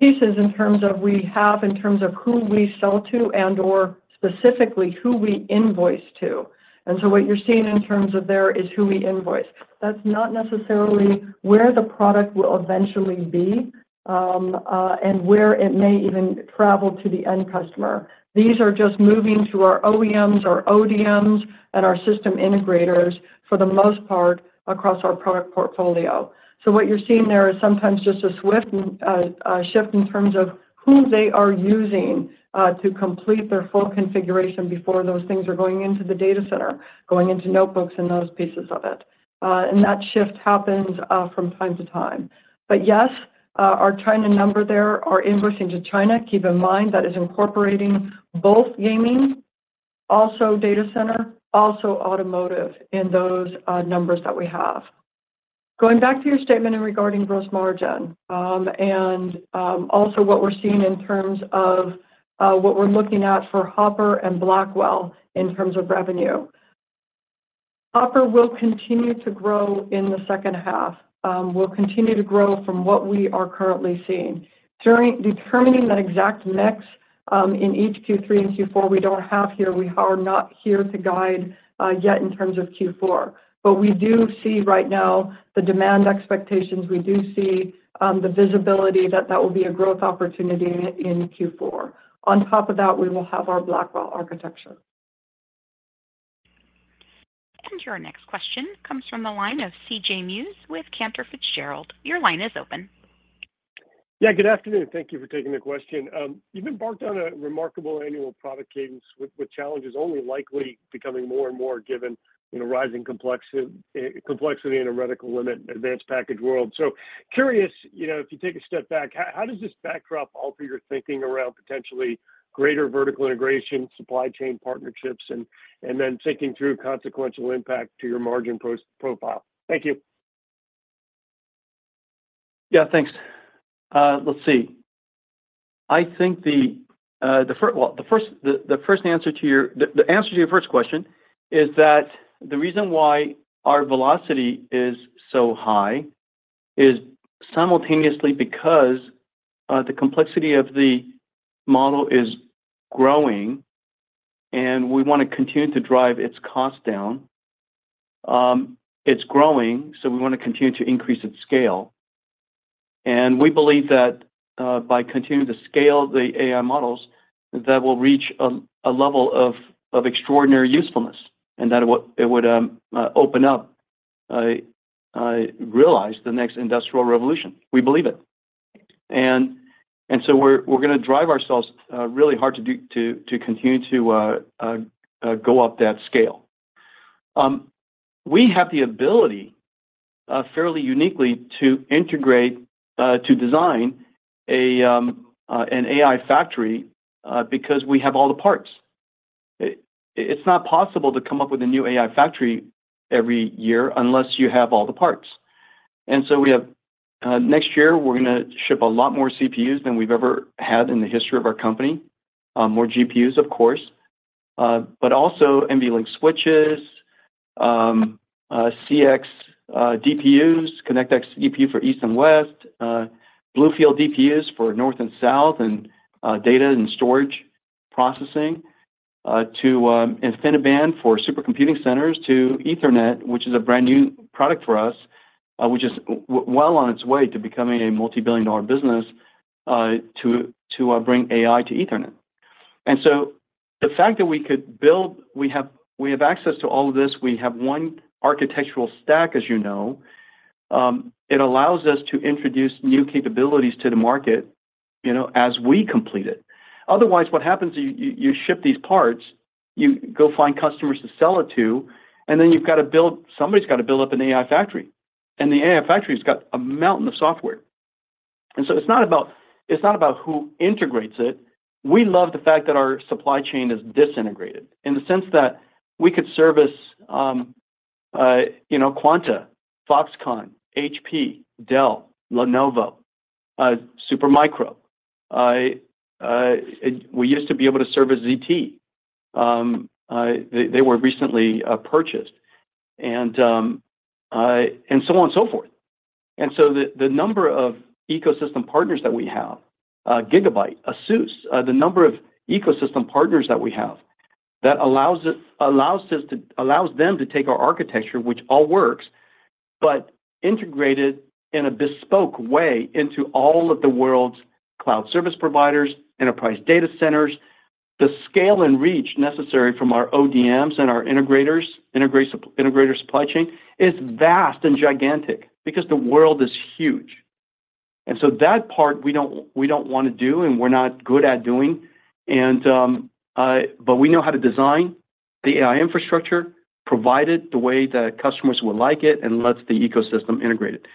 Pieces in terms of we have, in terms of who we sell to and/or specifically who we invoice to. And so what you're seeing in terms of there is who we invoice. That's not necessarily where the product will eventually be and where it may even travel to the end customer. These are just moving through our OEMs, our ODMs, and our system integrators for the most part, across our product portfolio. So what you're seeing there is sometimes just a swift shift in terms of who they are using to complete their full configuration before those things are going into the data center, going into notebooks and those pieces of it. And that shift happens from time to time. But yes, our China number there, are invoicing to China. Keep in mind, that is incorporating both gaming, also data center, also automotive in those numbers that we have. Going back to your statement in regarding gross margin, and also what we're seeing in terms of what we're looking at for Hopper and Blackwell in terms of revenue. Hopper will continue to grow in the second half. We'll continue to grow from what we are currently seeing. Determining that exact mix in each Q3 and Q4, we don't have here. We are not here to guide yet in terms of Q4, but we do see right now the demand expectations. We do see the visibility that that will be a growth opportunity in Q4. On top of that, we will have our Blackwell architecture. And your next question comes from the line of C.J. Muse with Cantor Fitzgerald. Your line is open. Yeah, good afternoon. Thank you for taking the question. You've embarked on a remarkable annual product cadence with challenges only likely becoming more and more given, you know, rising complexity and a radically limited advanced packaging world. So curious, you know, if you take a step back, how does this backdrop alter your thinking around potentially greater vertical integration, supply chain partnerships, and then thinking through consequential impact to your margin profile? Thank you. Yeah, thanks. Let's see. I think the first answer to your first question is that the reason why our velocity is so high is simultaneously because the complexity of the model is growing, and we wanna continue to drive its cost down. It's growing, so we wanna continue to increase its scale, and we believe that by continuing to scale the AI models, that will reach a level of extraordinary usefulness, and that it would open up, realize the next industrial revolution. We believe it. And so we're gonna drive ourselves really hard to continue to go up that scale. We have the ability, fairly uniquely, to integrate to design an AI factory because we have all the parts. It's not possible to come up with a new AI factory every year unless you have all the parts. And so we have, next year, we're gonna ship a lot more CPUs than we've ever had in the history of our company. More GPUs, of course, but also NVLink switches, CX DPUs, ConnectX DPU for east and west, BlueField DPUs for north and south, and data and storage processing, to InfiniBand for supercomputing centers, to Ethernet, which is a brand-new product for us, which is well on its way to becoming a multibillion-dollar business, to bring AI to Ethernet. And so the fact that we could build. We have access to all of this. We have one architectural stack, as you know. It allows us to introduce new capabilities to the market, you know, as we complete it. Otherwise, what happens is you ship these parts, you go find customers to sell it to, and then you've got to build. Somebody's got to build up an AI factory. And the AI factory has got a mountain of software. And so it's not about, it's not about who integrates it. We love the fact that our supply chain is disintegrated in the sense that we could service, you know, Quanta, Foxconn, HP, Dell, Lenovo, Supermicro. We used to be able to service ZT. They were recently purchased, and so on and so forth. The number of ecosystem partners that we have, Gigabyte, Asus, the number of ecosystem partners that we have that allows us, allows us to allows them to take our architecture, which all works, but integrate it in a bespoke way into all of the world's cloud service providers, enterprise data centers. The scale and reach necessary from our ODMs and our integrators, integrator supply chain is vast and gigantic because the world is huge. That part we don't, we don't want to do, and we're not good at doing, but we know how to design the AI infrastructure, provide it the way that customers would like it, and lets the ecosystem integrate it.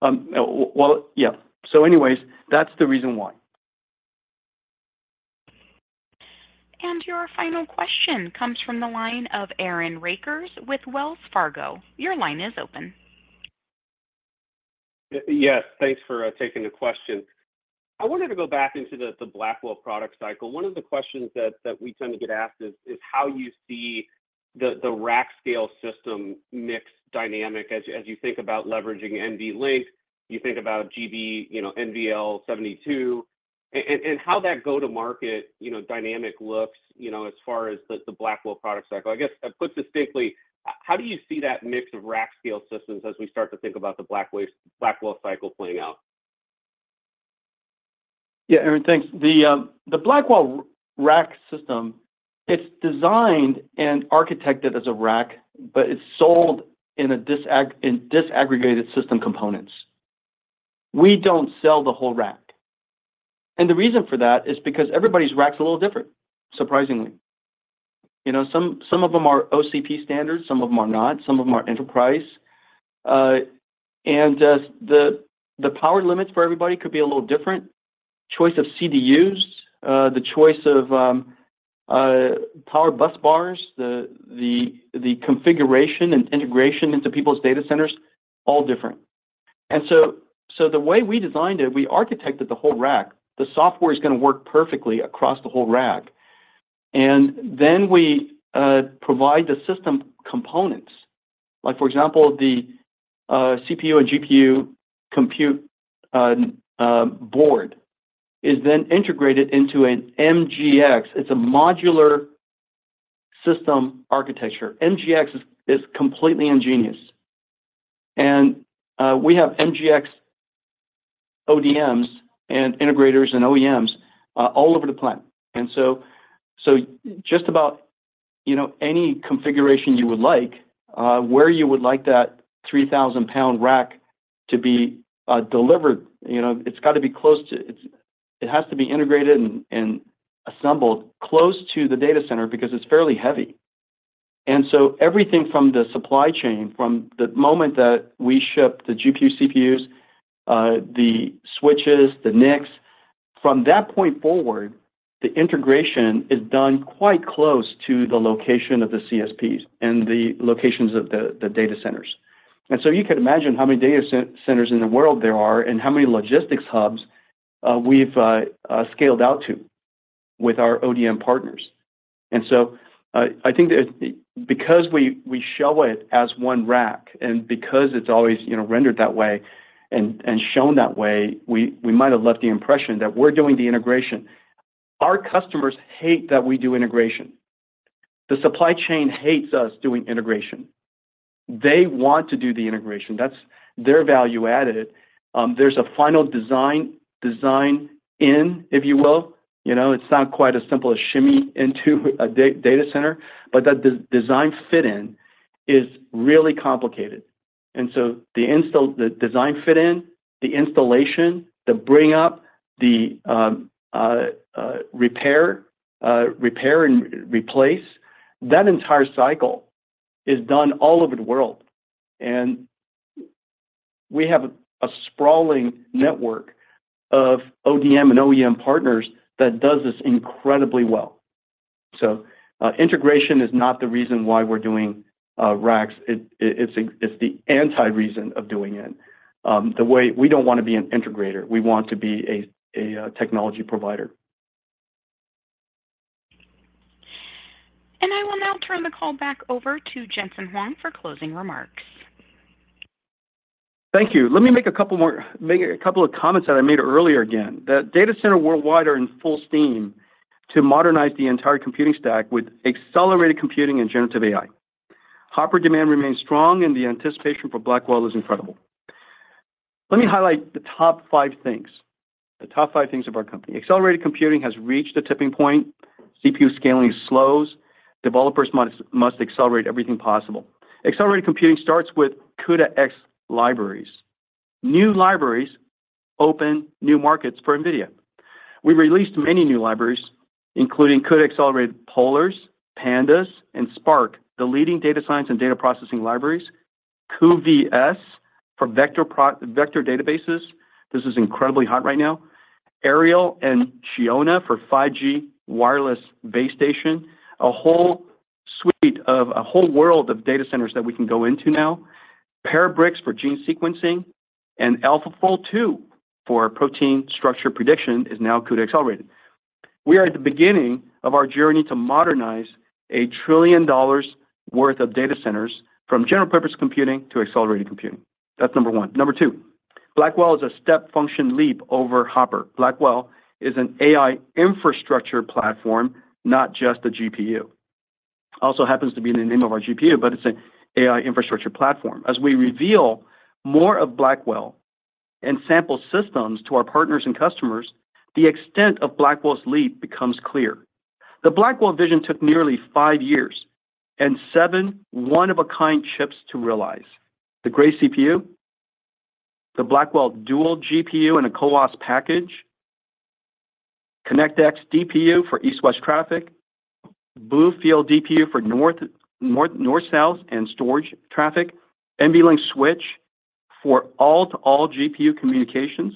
Well, yeah. Anyways, that's the reason why. Your final question comes from the line of Aaron Rakers with Wells Fargo. Your line is open. Yes, thanks for taking the question. I wanted to go back into the Blackwell product cycle. One of the questions that we tend to get asked is how you see the rack scale system mix dynamic as you think about leveraging NVLink, you think about GB, you know, NVL72, and how that go-to-market dynamic looks as far as the Blackwell product cycle. I guess put succinctly, how do you see that mix of rack scale systems as we start to think about the Blackwell cycle playing out? Yeah, Aaron, thanks. The Blackwell rack system, it's designed and architected as a rack, but it's sold in disaggregated system components. We don't sell the whole rack, and the reason for that is because everybody's rack is a little different, surprisingly. You know, some of them are OCP standards, some of them are not. Some of them are enterprise, and the power limits for everybody could be a little different. Choice of CDUs, the choice of power busbars, the configuration and integration into people's data centers, all different, and so the way we designed it, we architected the whole rack. The software is gonna work perfectly across the whole rack, and then we provide the system components. Like, for example, the CPU and GPU compute board is then integrated into an MGX. It's a modular system architecture. MGX is completely ingenious, and we have MGX ODMs and integrators and OEMs all over the planet. And so just about, you know, any configuration you would like, where you would like that 3,000-pound rack to be delivered, you know, it's got to be close to it. It has to be integrated and assembled close to the data center because it's fairly heavy. And so everything from the supply chain, from the moment that we ship the GPU, CPUs, the switches, the NICs, from that point forward, the integration is done quite close to the location of the CSPs and the locations of the data centers. And so you can imagine how many data centers in the world there are and how many logistics hubs we've scaled out to with our ODM partners. And so, I think that because we show it as one rack and because it's always, you know, rendered that way and shown that way, we might have left the impression that we're doing the integration. Our customers hate that we do integration. The supply chain hates us doing integration. They want to do the integration. That's their value added. There's a final design in, if you will. You know, it's not quite as simple as shimmy into a data center, but that the design fit in is really complicated. And so the design fit in, the installation, the bring up, the repair, repair and replace, that entire cycle is done all over the world, and we have a sprawling network of ODM and OEM partners that does this incredibly well. So, integration is not the reason why we're doing racks. It, it's the anti-reason of doing it. The way we don't want to be an integrator. We want to be a technology provider. I will now turn the call back over to Jensen Huang for closing remarks. Thank you. Let me make a couple of comments that I made earlier again. The data centers worldwide are in full steam to modernize the entire computing stack with accelerated computing and generative AI. Hopper demand remains strong, and the anticipation for Blackwell is incredible. Let me highlight the top five things of our company. Accelerated computing has reached a tipping point. CPU scaling slows. Developers must accelerate everything possible. Accelerated computing starts with CUDA-X libraries. New libraries open new markets for NVIDIA. We released many new libraries, including CUDA-accelerated Polars, Pandas, and Spark, the leading data science and data processing libraries. cuVS for vector databases. This is incredibly hot right now. Aerial and Sionna for 5G wireless base station. A whole world of data centers that we can go into now. Parabricks for gene sequencing, and AlphaFold 2 for protein structure prediction is now CUDA-accelerated. We are at the beginning of our journey to modernize $1 trillion worth of data centers from general-purpose computing to accelerated computing. That's number one. Number two, Blackwell is a step function leap over Hopper. Blackwell is an AI infrastructure platform, not just a GPU. Also happens to be the name of our GPU, but it's an AI infrastructure platform. As we reveal more of Blackwell and sample systems to our partners and customers, the extent of Blackwell's leap becomes clear. The Blackwell vision took nearly five years and seven one-of-a-kind chips to realize. The Grace CPU, the Blackwell dual GPU in a CoWoS package, ConnectX DPU for east-west traffic, BlueField DPU for north-south and storage traffic, NVLink Switch for all-to-all GPU communications,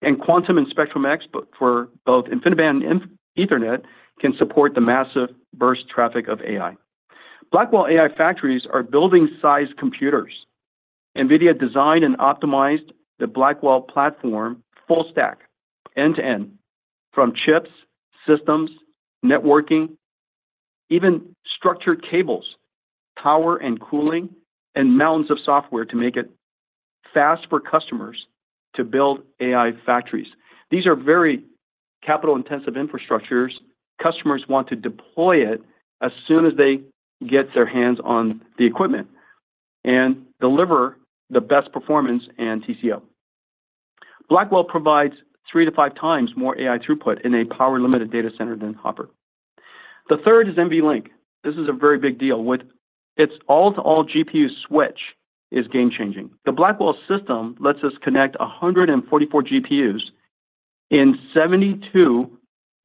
and Quantum and Spectrum-X, but for both InfiniBand and Ethernet, can support the massive burst traffic of AI. Blackwell AI factories are building-sized computers. NVIDIA designed and optimized the Blackwell platform full stack, end-to-end, from chips, systems, networking, even structured cables, power and cooling, and mountains of software to make it fast for customers to build AI factories. These are very capital-intensive infrastructures. Customers want to deploy it as soon as they get their hands on the equipment and deliver the best performance and TCO. Blackwell provides three to five times more AI throughput in a power-limited data center than Hopper. The third is NVLink. This is a very big deal with its all-to-all GPU switch is game-changing. The Blackwell system lets us connect a hundred and forty-four GPUs in seventy-two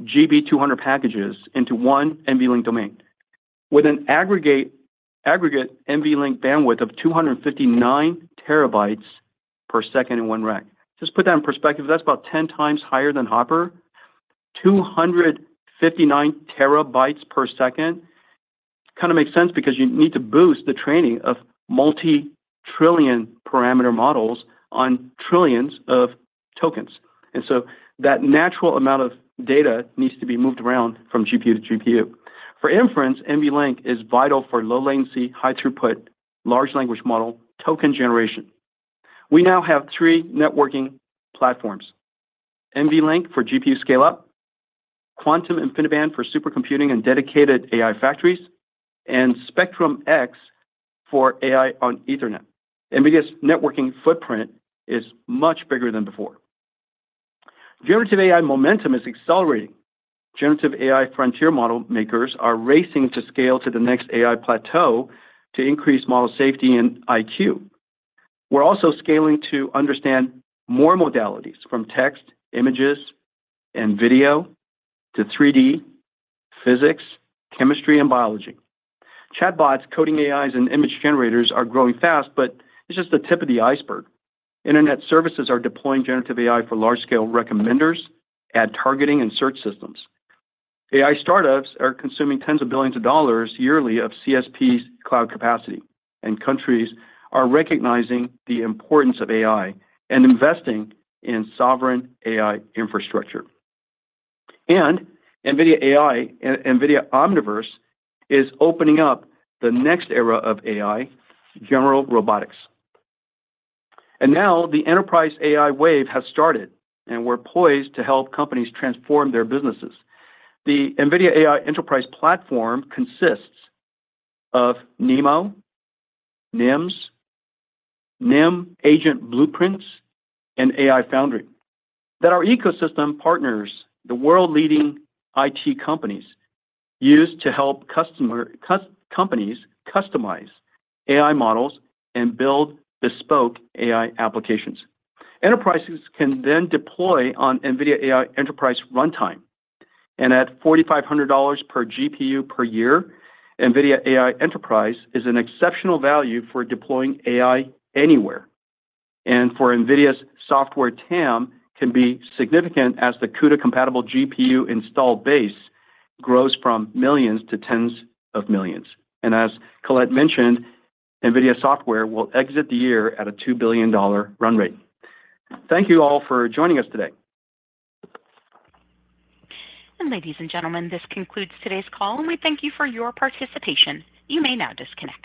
GB200 packages into one NVLink domain, with an aggregate NVLink bandwidth of two hundred and fifty-nine terabytes per second in one rack. Just put that in perspective, that's about ten times higher than Hopper. Two hundred and fifty-nine terabytes per second kind of makes sense because you need to boost the training of multi-trillion parameter models on trillions of tokens. And so that natural amount of data needs to be moved around from GPU to GPU. For inference, NVLink is vital for low latency, high throughput, large language model, token generation. We now have three networking platforms: NVLink for GPU scale-up, Quantum InfiniBand for supercomputing and dedicated AI factories, and Spectrum-X for AI on Ethernet. NVIDIA's networking footprint is much bigger than before. generative AI momentum is accelerating. generative AI frontier model makers are racing to scale to the next AI plateau to increase model safety and IQ. We're also scaling to understand more modalities, from text, images, and video to 3D, physics, chemistry, and biology. Chatbots, coding AIs, and image generators are growing fast, but it's just the tip of the iceberg. Internet services are deploying generative AI for large-scale recommenders, ad targeting, and search systems. AI startups are consuming tens of billions of dollars yearly of CSP's cloud capacity, and countries are recognizing the importance of AI and investing in sovereign AI infrastructure. And NVIDIA AI, NVIDIA Omniverse is opening up the next era of AI, general robotics. And now the enterprise AI wave has started, and we're poised to help companies transform their businesses. The NVIDIA AI Enterprise platform consists of NeMo, NIMs, NIM Agent Blueprints, and AI Foundry that our ecosystem partners, the world-leading IT companies, use to help customers and companies customize AI models and build bespoke AI applications. Enterprises can then deploy on NVIDIA AI Enterprise runtime. At $4,500 per GPU per year, NVIDIA AI Enterprise is an exceptional value for deploying AI anywhere. For NVIDIA's software TAM, it can be significant as the CUDA-compatible GPU installed base grows from millions to tens of millions. As Colette mentioned, NVIDIA software will exit the year at a $2 billion run rate. Thank you all for joining us today. Ladies and gentlemen, this concludes today's call, and we thank you for your participation. You may now disconnect.